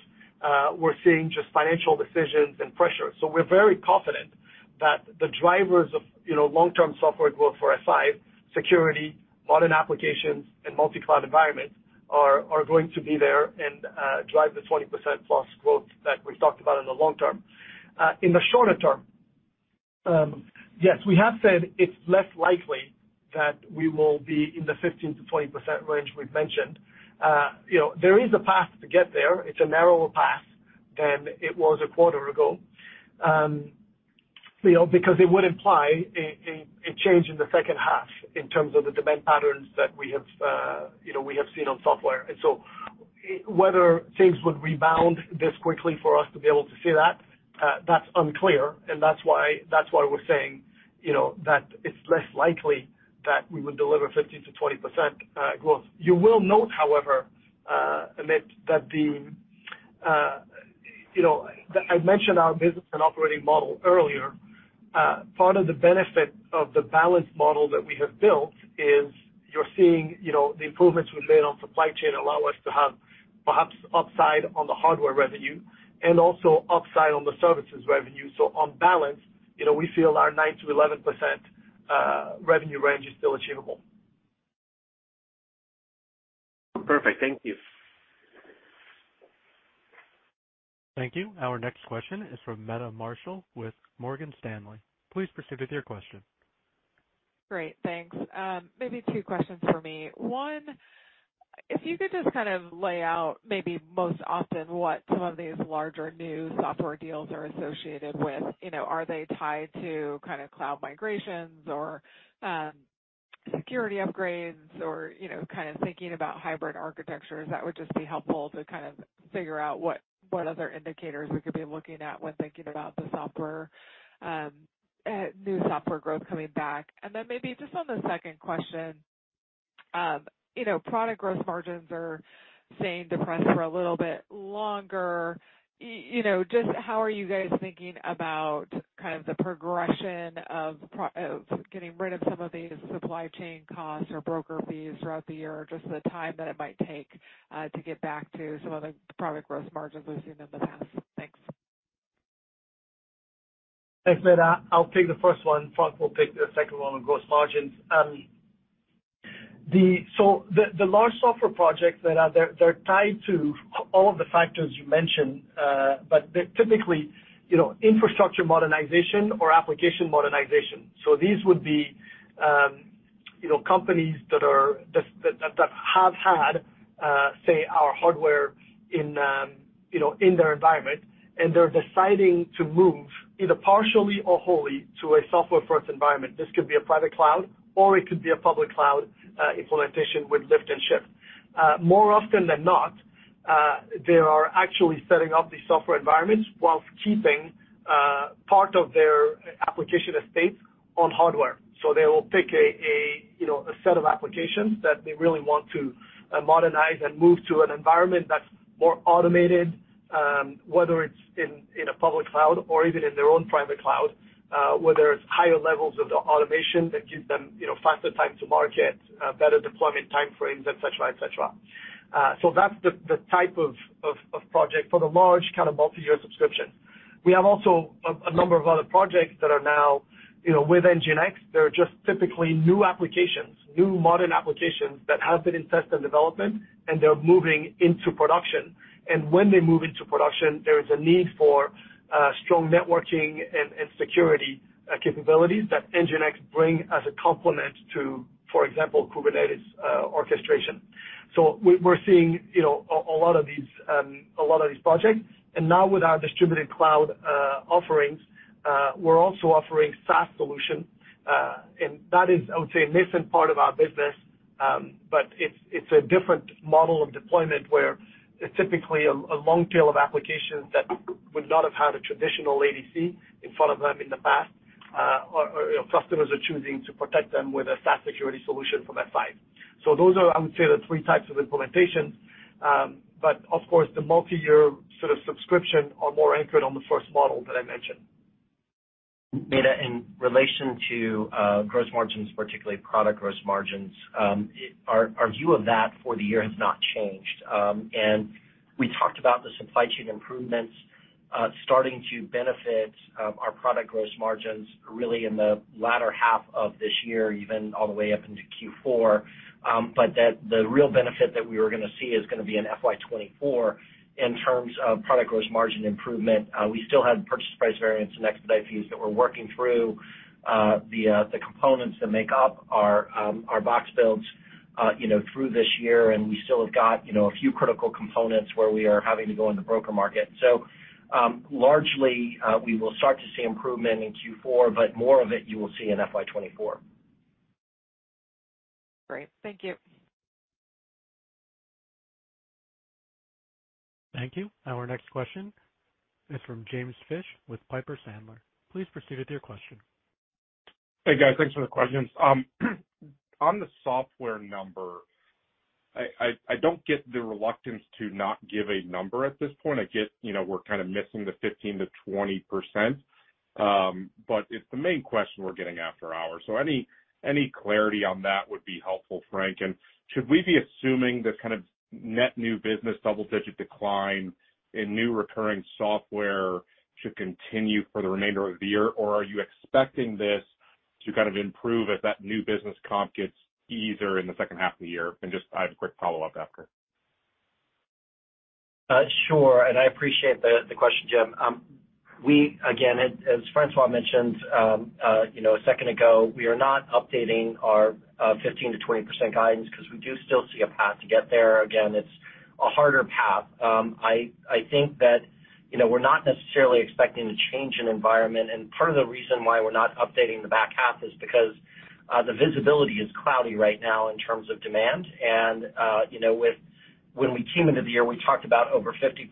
Speaker 3: We're seeing just financial decisions and pressures. We're very confident that the drivers of, you know, long-term software growth for F5, security, modern applications, and multi-cloud environments are going to be there and drive the 20%+ growth that we've talked about in the long term. In the shorter term, yes, we have said it's less likely that we will be in the 15%-20% range we've mentioned. You know, there is a path to get there. It's a narrower path than it was a quarter ago, you know, because it would imply a change in the second half in terms of the demand patterns that we have, you know, we have seen on software. Whether things would rebound this quickly for us to be able to see that's unclear, and that's why we're saying, you know, that it's less likely that we would deliver 15%-20% growth. You will note, however, Amit, that the, you know, I mentioned our business and operating model earlier. Part of the benefit of the balanced model that we have built is you're seeing, you know, the improvements we've made on supply chain allow us to have perhaps upside on the hardware revenue and also upside on the services revenue. On balance, you know, we feel our 9%-11% revenue range is still achievable.
Speaker 9: Perfect. Thank you.
Speaker 1: Thank you. Our next question is from Meta Marshall with Morgan Stanley. Please proceed with your question.
Speaker 10: Great. Thanks. Maybe two questions for me. One, if you could just kind of lay out maybe most often what some of these larger new software deals are associated with. You know, are they tied to kind of cloud migrations or security upgrades or, you know, kind of thinking about hybrid architectures? That would just be helpful to kind of figure out what other indicators we could be looking at when thinking about the software new software growth coming back. Maybe just on the second question, you know, product growth margins are staying depressed for a little bit longer. You know, just how are you guys thinking about kind of the progression of getting rid of some of these supply chain costs or broker fees throughout the year, just the time that it might take to get back to some of the product growth margins we've seen in the past? Thanks.
Speaker 3: Thanks, Meta. I'll take the first one. Frank will take the second one on gross margins. The large software projects that are there, they're tied to a-all of the factors you mentioned, but they're typically, you know, infrastructure modernization or application modernization. These would be, you know, companies that have had, say, our hardware in, you know, in their environment, and they're deciding to move either partially or wholly to a software-first environment. This could be a private cloud, or it could be a public cloud implementation with lift and shift. More often than not, they are actually setting up these software environments whilst keeping part of their application estates on hardware. They will pick a, you know, a set of applications that they really want to modernize and move to an environment that's more automated, whether it's in a public cloud or even in their own private cloud, where there's higher levels of the automation that gives them, you know, faster time to market, better deployment time frames, et cetera, et cetera. That's the type of project for the large kind of multi-year subscription. We have also a number of other projects that are now, you know, with NGINX. They're just typically new applications, new modern applications that have been in test and development, and they're moving into production. When they move into production, there is a need for strong networking and security capabilities that NGINX bring as a complement to, for example, Kubernetes orchestration. We're seeing, you know, a lot of these projects. Now with our distributed cloud offerings, we're also offering SaaS solutions. That is, I would say, a nascent part of our business, but it's a different model of deployment, where it's typically a long tail of applications that would not have had a traditional ADC in front of them in the past. Or, you know, customers are choosing to protect them with a SaaS security solution from F5. Those are, I would say, the three types of implementations. Of course, the multi-year sort of subscription are more anchored on the first model that I mentioned.
Speaker 4: Meta, in relation to gross margins, particularly product gross margins, our view of that for the year has not changed. We talked about the supply chain improvements starting to benefit our product gross margins really in the latter half of this year, even all the way up into Q4. That the real benefit that we were gonna see is gonna be in FY24 in terms of product gross margin improvement. We still have purchase price variance and expedite fees that we're working through via the components that make up our box builds, you know, through this year, and we still have got, you know, a few critical components where we are having to go in the broker market. Largely, we will start to see improvement in Q4, but more of it you will see in FY24.
Speaker 10: Great. Thank you.
Speaker 1: Thank you. Our next question is from James Fish with Piper Sandler. Please proceed with your question.
Speaker 11: Hey, guys. Thanks for the questions. On the software number, I don't get the reluctance to not give a number at this point. I get, you know, we're kind of missing the 15%-20%, but it's the main question we're getting after hours. Any, any clarity on that would be helpful, Frank? Should we be assuming this kind of net new business double-digit decline in new recurring software should continue for the remainder of the year? Or are you expecting this to kind of improve as that new business comp gets easier in the second half of the year. Just I have a quick follow-up after.
Speaker 4: Sure. I appreciate the question, Jim. We again, as François mentioned, you know, a second ago, we are not updating our 15% to 20% guidance because we do still see a path to get there. Again, it's a harder path. I think that, you know, we're not necessarily expecting a change in environment, and part of the reason why we're not updating the back half is because the visibility is cloudy right now in terms of demand. You know, when we came into the year, we talked about over 50%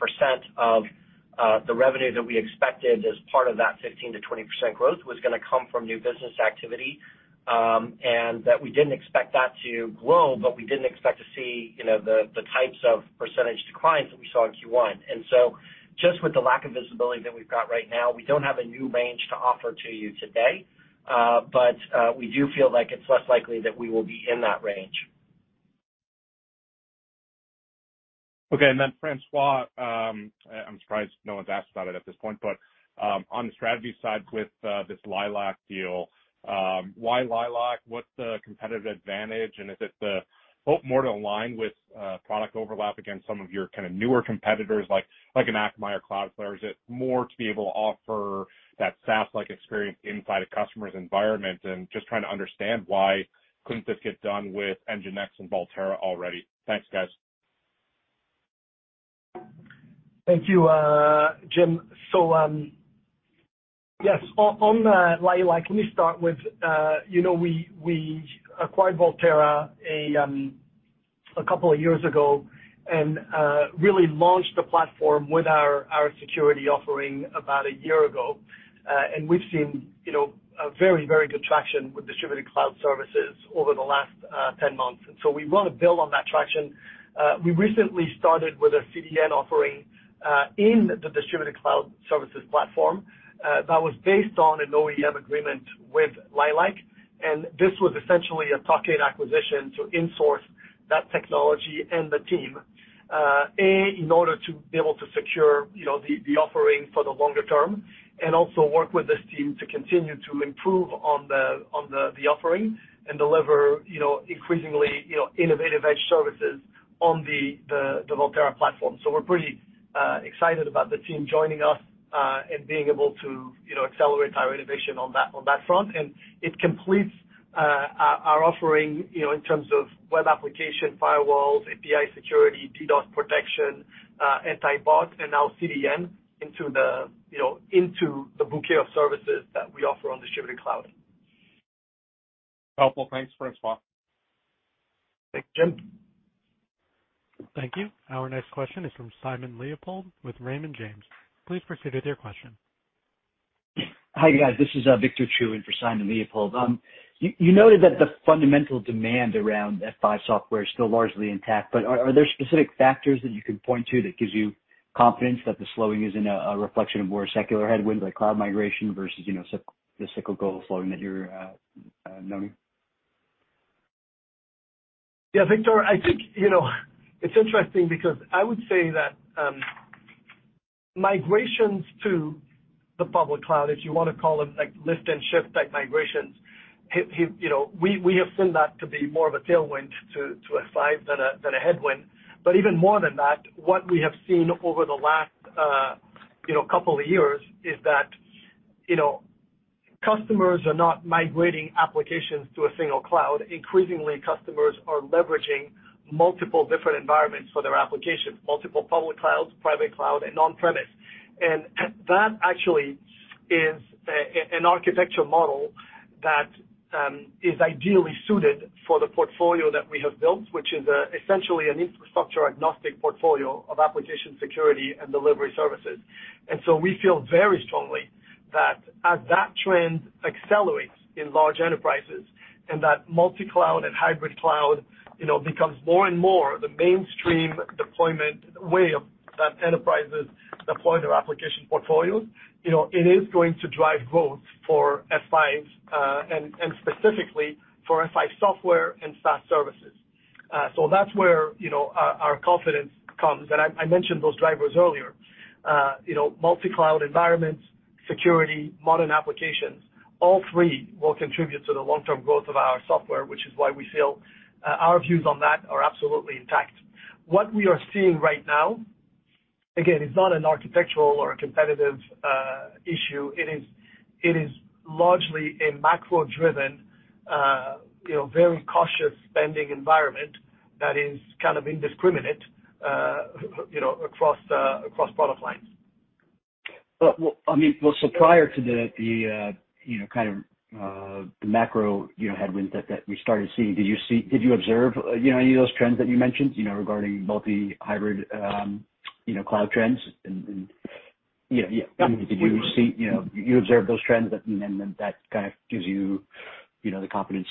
Speaker 4: of the revenue that we expected as part of that 15%-20% growth was gonna come from new business activity, and that we didn't expect that to grow, but we didn't expect to see, you know, the types of percentage declines that we saw in Q1. Just with the lack of visibility that we've got right now, we don't have a new range to offer to you today, but we do feel like it's less likely that we will be in that range.
Speaker 11: Okay. François, I'm surprised no one's asked about it at this point, but on the strategy side with this Lilac deal, why Lilac? What's the competitive advantage? Is it the hope more to align with product overlap against some of your kinda newer competitors like an Akamai or Cloudflare? Is it more to be able to offer that SaaS-like experience inside a customer's environment? Just trying to understand why couldn't this get done with NGINX and Volterra already. Thanks, guys.
Speaker 3: Thank you, James. Yes, on Lilac, let me start with, you know, we acquired Volterra a couple of years ago and really launched the platform with our security offering about a year ago. We've seen, you know, a very, very good traction with Distributed Cloud Services over the last 10 months. We wanna build on that traction. We recently started with a CDN offering in the Distributed Cloud Services platform that was based on an OEM agreement with Lilac. This was essentially a tuck-in acquisition to insource that technology and the team, in order to be able to secure, you know, the offering for the longer term and also work with this team to continue to improve on the offering and deliver, you know, increasingly, you know, innovative edge services on the Volterra platform. We're pretty excited about the team joining us and being able to, you know, accelerate our innovation on that, on that front. It completes our offering, you know, in terms of web application firewalls, API security, DDoS protection, anti-bot, and now CDN into the, you know, into the bouquet of services that we offer on Distributed Cloud.
Speaker 11: Helpful. Thanks, François.
Speaker 3: Thanks, James.
Speaker 1: Thank you. Our next question is from Simon Leopold with Raymond James. Please proceed with your question.
Speaker 12: Hi, guys. This is Victor Chiu in for Simon Leopold. You noted that the fundamental demand around F5 software is still largely intact. Are there specific factors that you can point to that gives you confidence that the slowing isn't a reflection of more secular headwinds like cloud migration versus, you know, the cyclical slowing that you're noting?
Speaker 3: Yeah, Victor, I think, you know, it's interesting because I would say that migrations to the public cloud, if you wanna call them like lift and shift type migrations, you know, we have seen that to be more of a tailwind to F5 than a headwind. Even more than that, what we have seen over the last, you know, couple of years is that, you know, customers are not migrating applications to a single cloud. Increasingly, customers are leveraging multiple different environments for their applications, multiple public clouds, private cloud, and on premises. That actually is an architectural model that is ideally suited for the portfolio that we have built, which is essentially an infrastructure-agnostic portfolio of application security and delivery services. We feel very strongly that as that trend accelerates in large enterprises and that multi-cloud and hybrid cloud, you know, becomes more and more the mainstream deployment way of that enterprises deploy their application portfolios, you know, it is going to drive growth for F5, and specifically for F5 software and SaaS services. So, that's where, you know, our confidence comes. I mentioned those drivers earlier. You know, multi-cloud environments, security, modern applications, all three will contribute to the long-term growth of our software, which is why we feel our views on that are absolutely intact. What we are seeing right now, again, is not an architectural or a competitive issue. It is largely a macro-driven, you know, very cautious spending environment that is kind of indiscriminate, you know, across product lines.
Speaker 12: Well, I mean, well, so prior to the, you know, kind of, the macro, you know, headwinds that we started seeing, did you observe, you know, any of those trends that you mentioned, you know, regarding multi hybrid, you know, cloud trends? You know, did you see, you know, you observed those trends that kind of gives you know, the confidence,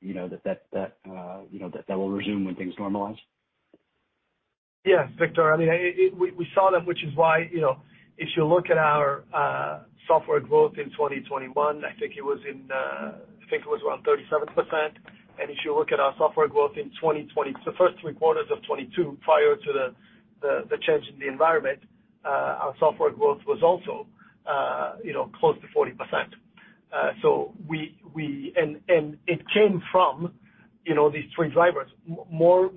Speaker 12: you know, that will resume when things normalize?
Speaker 3: Yes, Victor. I mean, we saw them, which is why, you know, if you look at our software growth in 2021, I think it was in, I think it was around 37%. If you look at our software growth in the first three quarters of 2022, prior to the change in the environment, our software growth was also, you know, close to 40%. So we, it came from, you know, these three drivers, more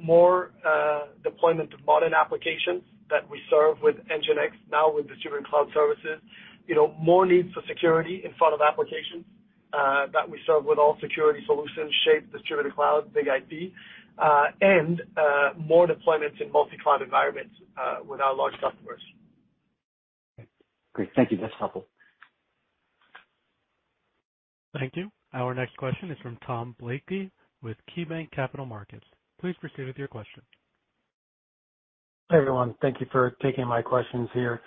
Speaker 3: deployment of modern applications that we serve with NGINX now with Distributed Cloud Services, you know, more needs for security in front of applications, that we serve with all security solutions, Shape, Distributed Cloud, BIG-IP, and more deployments in multi-cloud environments with our large customers.
Speaker 12: Great. Thank you. That's helpful.
Speaker 1: Thank you. Our next question is from Tom Blakey with KeyBanc Capital Markets. Please proceed with your question.
Speaker 13: Hi, everyone. Thank you for taking my questions here.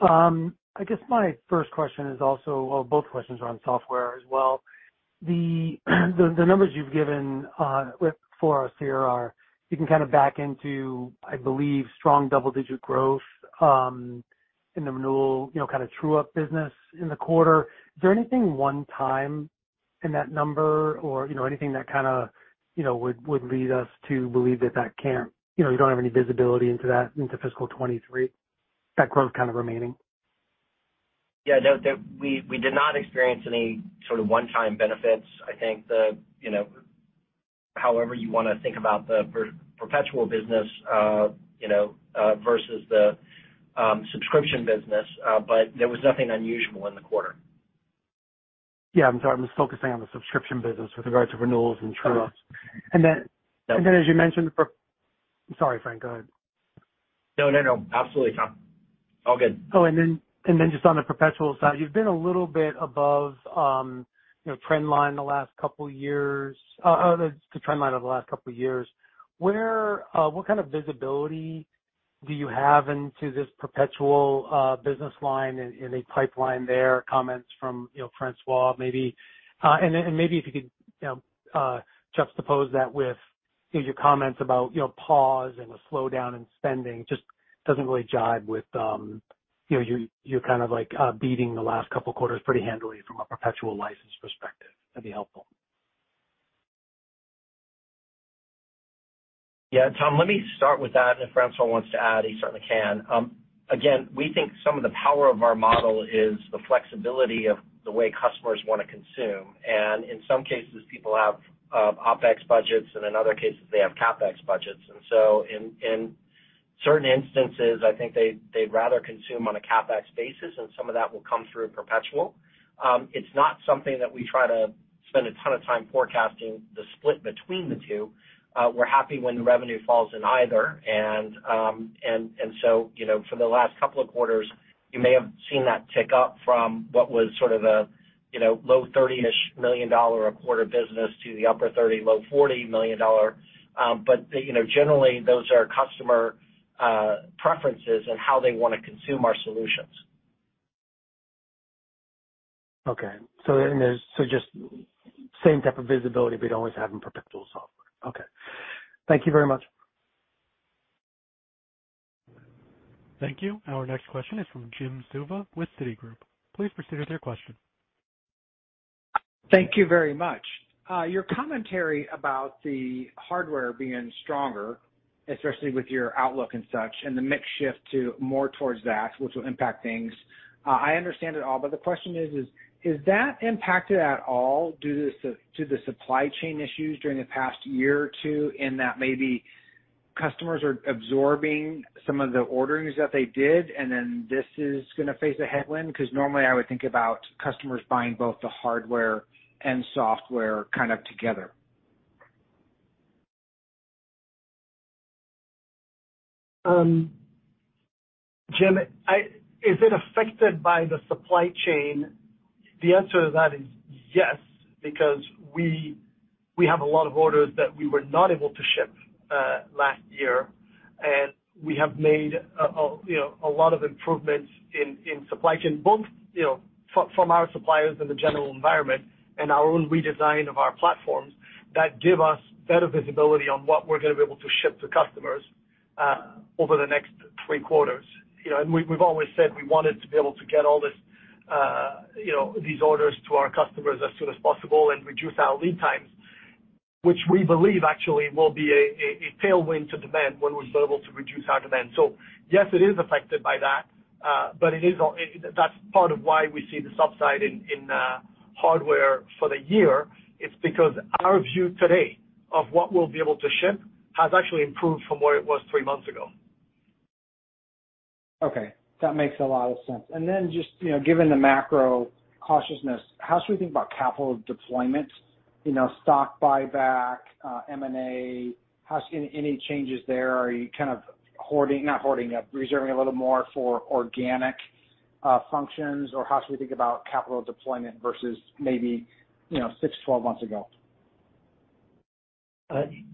Speaker 13: I guess my first question Well, both questions are on software as well. The numbers you've given for us here are, you can kinda back into, I believe, strong double-digit growth in the renewal, you know, kinda true-up business in the quarter. Is there anything one-time in that number or, you know, anything that kinda, you know, would lead us to believe that that can't, you know, you don't have any visibility into that, into FY23, that growth kind of remaining?
Speaker 4: No, we did not experience any sort of one-time benefits. I think the, you know, however you wanna think about the perpetual business, you know, versus the subscription business. There was nothing unusual in the quarter.
Speaker 13: Yeah. I'm sorry. I'm just focusing on the subscription business with regards to renewals and true-ups.
Speaker 4: Oh.
Speaker 13: And then-
Speaker 4: Yeah.
Speaker 13: As you mentioned for... Sorry, Frank, go ahead.
Speaker 4: No, no. Absolutely, Tom. All good.
Speaker 13: And then just on the perpetual side, you've been a little bit above, you know, trend line the last couple years. The trend line over the last couple of years. Where, what kind of visibility do you have into this perpetual business line and a pipeline there, comments from, you know, François, maybe? And maybe if you could, you know, juxtapose that with your comments about, you know, pause and a slowdown in spending. Just doesn't really jive with, you know, you kind of like beating the last couple quarters pretty handily from a perpetual license perspective. That'd be helpful.
Speaker 4: Yeah. Tom, let me start with that, and if François, wants to add, he certainly can. Again, we think some of the power of our model is the flexibility of the way customers wanna consume. In some cases, people have OpEx budgets, and in other cases, they have CapEx budgets. In certain instances, I think they'd rather consume on a CapEx basis, and some of that will come through in perpetual. It's not something that we try to spend a ton of time forecasting the split between the two. We're happy when the revenue falls in either. You know, for the last couple of quarters, you may have seen that tick up from what was sort of a, you know, low $30-ish million a quarter business to the upper $30 million, low $40 million. You know, generally, those are customer preferences and how they wanna consume our solutions.
Speaker 13: Okay. There's just same type of visibility we'd always have in perpetual software. Okay. Thank you very much.
Speaker 1: Thank you. Our next question is from Jim Suva with Citigroup. Please proceed with your question.
Speaker 14: Thank you very much. Your commentary about the hardware being stronger, especially with your outlook and such, and the mix shift to more towards that, which will impact things, I understand it all. The question is that impacted at all dues to the supply chain issues during the past year or two in that maybe customers are absorbing some of the orderings that they did, and then this is gonna face a headwind? Normally I would think about customers buying both the hardware and software kind of together.
Speaker 3: Jim, Is it affected by the supply chain? The answer to that is yes, because we have a lot of orders that we were not able to ship last year. We have made a, you know, a lot of improvements in supply chain, both, you know, from our suppliers in the general environment and our own redesign of our platforms that give us better visibility on what we're gonna be able to ship to customers over the next three quarters. We've always said we wanted to be able to get all this, you know, these orders to our customers as soon as possible and reduce our lead times, which we believe actually will be a tailwind to demand when we're able to reduce our demand. Yes, it is affected by that, but that's part of why we see the subside in hardware for the year. It's because our view today of what we'll be able to ship has actually improved from where it was three months ago.
Speaker 14: Okay. That makes a lot of sense. Then just, you know, given the macro cautiousness, how should we think about capital deployment? You know, stock buyback, M&A. Any, any changes there? Are you kind of Not hoarding, reserving a little more for organic functions? Or how should we think about capital deployment versus maybe, you know, 6, 12 months ago?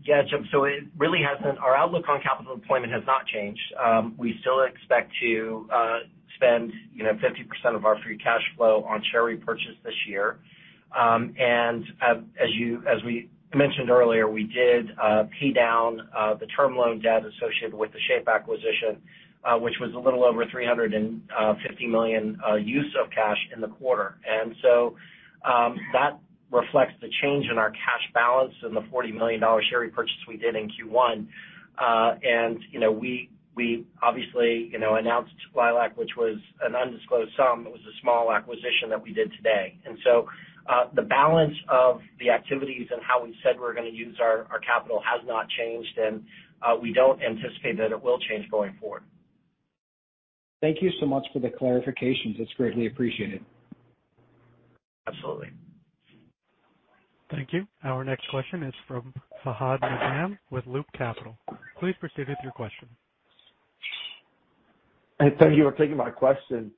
Speaker 4: Yeah, Jim. Our outlook on capital deployment has not changed. We still expect to spend, you know, 50% of our free cash flow on share repurchase this year. As we mentioned earlier, we did pay down the term loan debt associated with the Shape acquisition, which was a little over $350 million use of cash in the quarter. That reflects the change in our cash balance, and the $40 million share repurchase we did in Q1.
Speaker 3: You know, we obviously, you know, announced Lilac, which was an undisclosed sum. It was a small acquisition that we did today. The balance of the activities and how we said we're gonna use our capital has not changed, and we don't anticipate that it will change going forward.
Speaker 14: Thank you so much for the clarifications. It's greatly appreciated.
Speaker 3: Absolutely.
Speaker 1: Thank you. Our next question is from Fahad Najam with Loop Capital. Please proceed with your question.
Speaker 15: Hey, thank you for taking my question.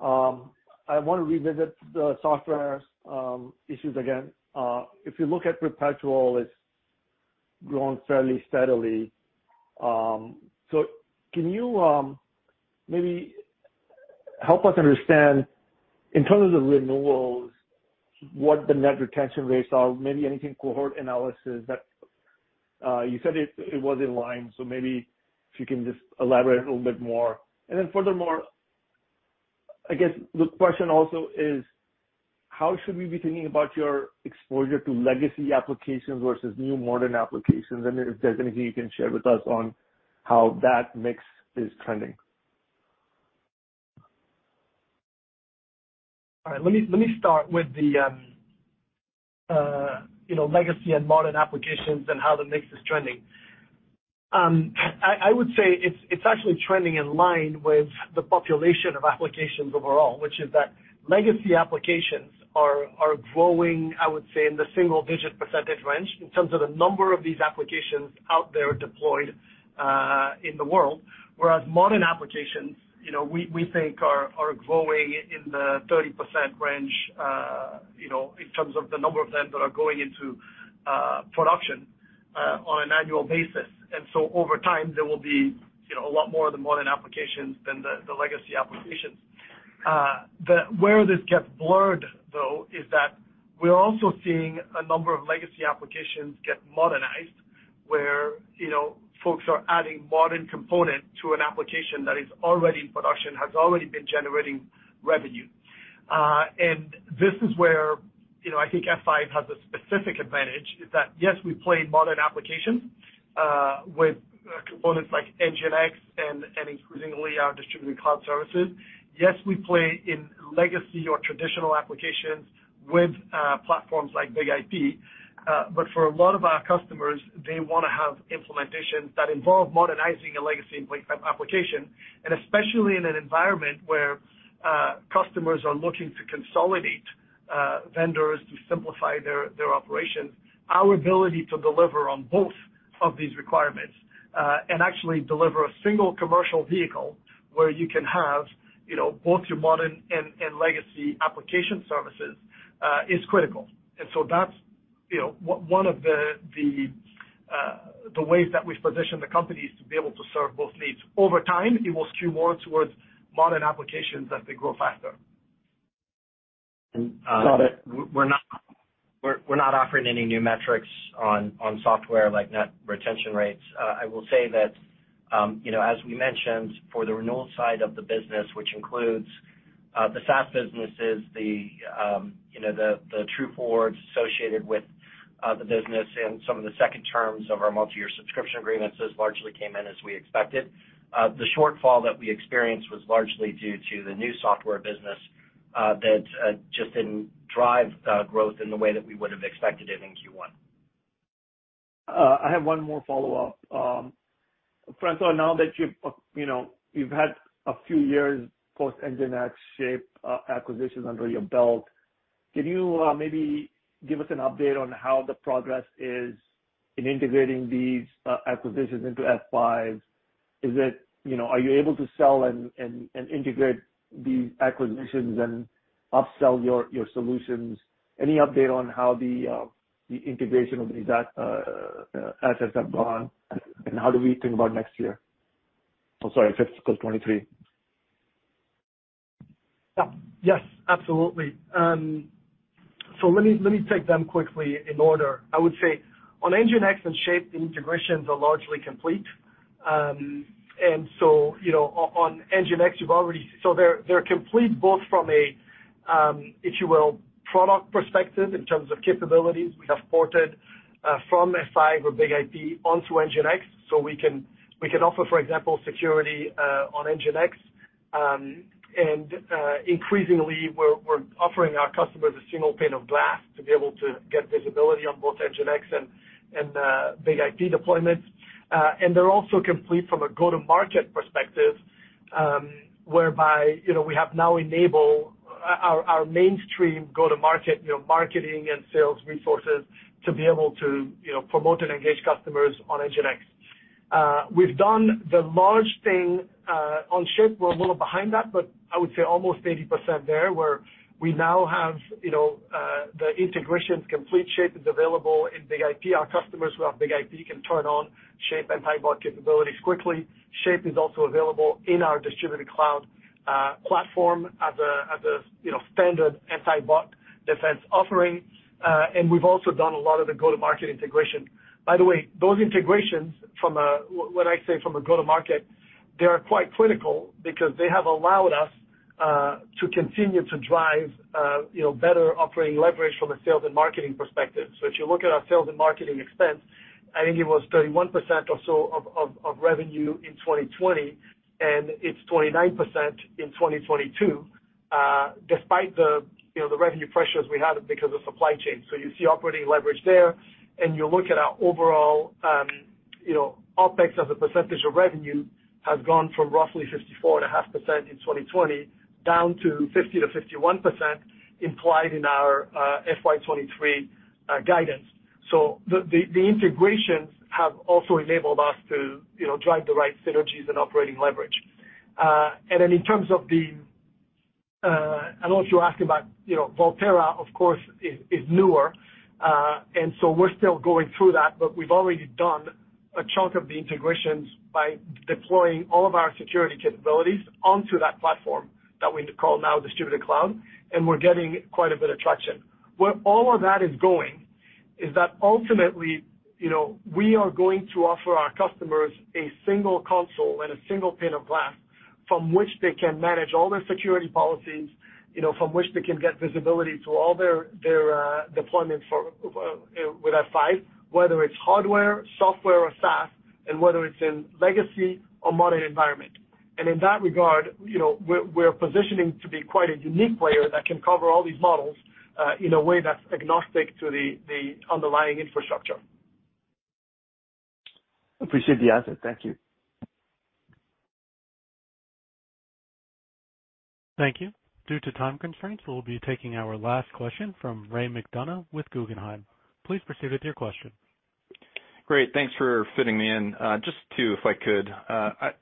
Speaker 15: I wanna revisit the software issues again. If you look at perpetual, it's grown fairly steadily. Can you maybe help us understand, in terms of renewals, what the net retention rates are, maybe anything cohort analysis that you said it was in line, so maybe if you can just elaborate a little bit more? Furthermore, I guess the question also is how should we be thinking about your exposure to legacy applications versus new modern applications, and if there's anything you can share with us on how that mix is trending?
Speaker 3: All right. Let me start with the, you know, legacy and modern applications and how the mix is trending. I would say it's actually trending in line with the population of applications overall, which is that legacy applications are growing, I would say, in the single digit % range in terms of the number of these applications out there deployed, in the world. Whereas modern applications, you know, we think are growing in the 30% range, you know, in terms of the number of them that are going into, production, on an annual basis. Over time, there will be, you know, a lot more of the modern applications than the legacy applications. Where this gets blurred, though, is that we're also seeing a number of legacy applications get modernized, where, you know, folks are adding modern component to an application that is already in production, has already been generating revenue. This is where, you know, I think F5 has a specific advantage is that, yes, we play modern applications, with components like NGINX and increasingly our Distributed Cloud Services. Yes, we play in legacy or traditional applications with platforms like BIG-IP. For a lot of our customers, they wanna have implementations that involve modernizing a legacy application. Especially in an environment where customers are looking to consolidate vendors to simplify their operations, our ability to deliver on both of these requirements, and actually deliver a single commercial vehicle where you can have, you know, both your modern and legacy application services, is critical. That's, you know, one of the ways that we've positioned the company is to be able to serve both needs. Over time, it will skew more towards modern applications as they grow faster.
Speaker 15: Got it.
Speaker 3: We're not, we're not offering any new metrics on software like net retention rates. I will say that, you know, as we mentioned, for the renewal side of the business, which includes the SaaS businesses, the, you know, the true forwards associated with the business and some of the second terms of our multi-year subscription agreements, those largely came in as we expected. The shortfall that we experienced was largely due to the new software business that just didn't drive growth in the way that we would have expected it in Q1.
Speaker 15: I have one more follow-up. François, now that you've, you know, you've had a few years post-NGINX Shape acquisitions under your belt, can you maybe give us an update on how the progress is in integrating these acquisitions into F5? You know, are you able to sell and integrate these acquisitions and upsell your solutions? Any update on how the integration of these assets have gone, and how do we think about next year? I'm sorry, FY23.
Speaker 3: Yeah. Yes, absolutely. Let me take them quickly in order. I would say on NGINX and Shape, the integrations are largely complete. So, you know, on NGINX, you've already. So, they're complete both from a, if you will, product perspective in terms of capabilities. We have ported from F5 or BIG-IP onto NGINX, so we can offer, for example, security on NGINX. Increasingly, we're offering our customers a single pane of glass to be able to get visibility on both NGINX and BIG-IP deployments. They're also complete from a go-to-market perspective, whereby, you know, we have now enabled our mainstream go-to-market, you know, marketing and sales resources to be able to, you know, promote and engage customers on NGINX. We've done the large thing on Shape. We're a little behind that, but I would say almost 80% there, where we now have, you know, the integrations complete. Shape is available in BIG-IP. Our customers who have BIG-IP can turn on Shape anti-bot capabilities quickly. Shape is also available in our Distributed Cloud platform as a, you know, standard anti-bot defense offering. We've also done a lot of the go-to-market integration. By the way, those integrations when I say from a go-to-market, they are quite critical because they have allowed us to continue to drive, you know, better operating leverage from a sales and marketing perspective. If you look at our sales and marketing expense, I think it was 31% or so of revenue in 2020, and it's 29% in 2022, despite the, you know, the revenue pressures we had because of supply chain. You see operating leverage there, and you look at our overall, you know, OpEx as a percentage of revenue has gone from roughly 54.5% in 2020 down to 50%-51% implied in our FY23 guidance. The integrations have also enabled us to, you know, drive the right synergies and operating leverage. And then in terms of the, I don't know if you asked about, you know, Volterra, of course, is newer. We're still going through that, but we've already done a chunk of the integrations by deploying all of our security capabilities onto that platform that we call now Distributed Cloud, and we're getting quite a bit of traction. Where all of that is going is that ultimately, you know, we are going to offer our customers a single console and a single pane of glass from which they can manage all their security policies, you know, from which they can get visibility to all their deployments for with F5, whether it's hardware, software or SaaS, and whether it's in legacy or modern environment. In that regard, you know, we're positioning to be quite a unique player that can cover all these models in a way that's agnostic to the underlying infrastructure.
Speaker 15: Appreciate the answer. Thank you.
Speaker 1: Thank you. Due to time constraints, we'll be taking our last question from Raymond McDonough with Guggenheim. Please proceed with your question.
Speaker 16: Great. Thanks for fitting me in. Just 2, if I could.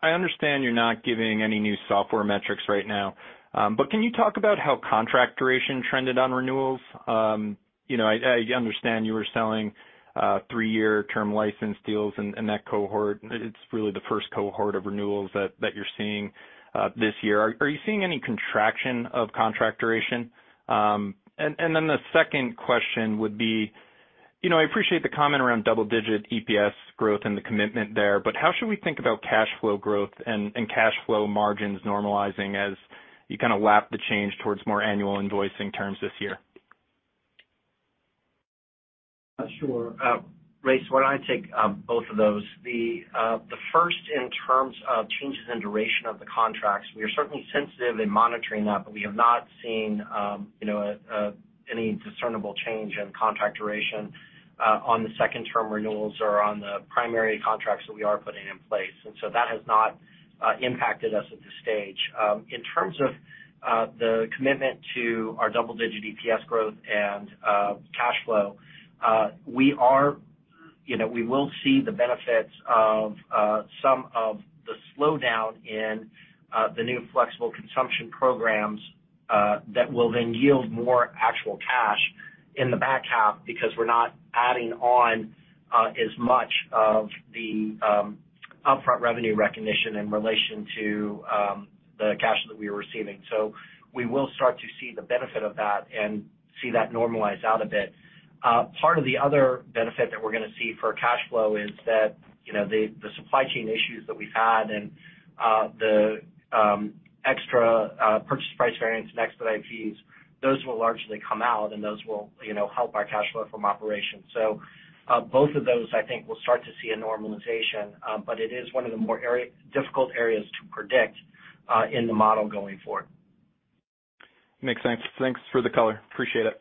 Speaker 16: I understand you're not giving any new software metrics right now, but can you talk about how contract duration trended on renewals? You know, I understand you were selling three-year term license deals and that cohort, it's really the first cohort of renewals that you're seeing this year. Are you seeing any contraction of contract duration? Then the second question would be, you know, I appreciate the comment around double-digit EPS growth and the commitment there, but how should we think about cash flow growth and cash flow margins normalizing as you kind of lap the change towards more annual invoicing terms this year?
Speaker 3: Sure. Ray, why don't I take both of those? The first in terms of changes in duration of the contracts, we are certainly sensitive in monitoring that, but we have not seen, you know, any discernible change in contract duration on the second-term renewals or on the primary contracts that we are putting in place. That has not impacted us at this stage. In terms of the commitment to our double-digit EPS growth and cash flow, we are, you know, we will see the benefits of some of the slowdown in the new flexible consumption programs that will then yield more actual cash in the back half because we're not adding on as much of the upfront revenue recognition in relation to the cash that we were receiving. We will start to see the benefit of that and see that normalize out a bit. Part of the other benefit that we're gonna see for cash flow is that, you know, the supply chain issues that we've had and the extra purchase price variance and exit IPs, those will largely come out and those will, you know, help our cash flow from operations. Both of those, I think, will start to see a normalization, but it is one of the more difficult areas to predict in the model going forward.
Speaker 16: Makes sense. Thanks for the color. Appreciate it.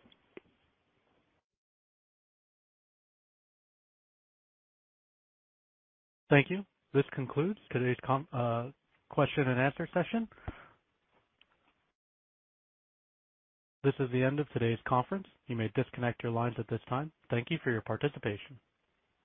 Speaker 1: Thank you. This concludes today's question and answer session. This is the end of today's conference. You may disconnect your lines at this time. Thank you for your participation.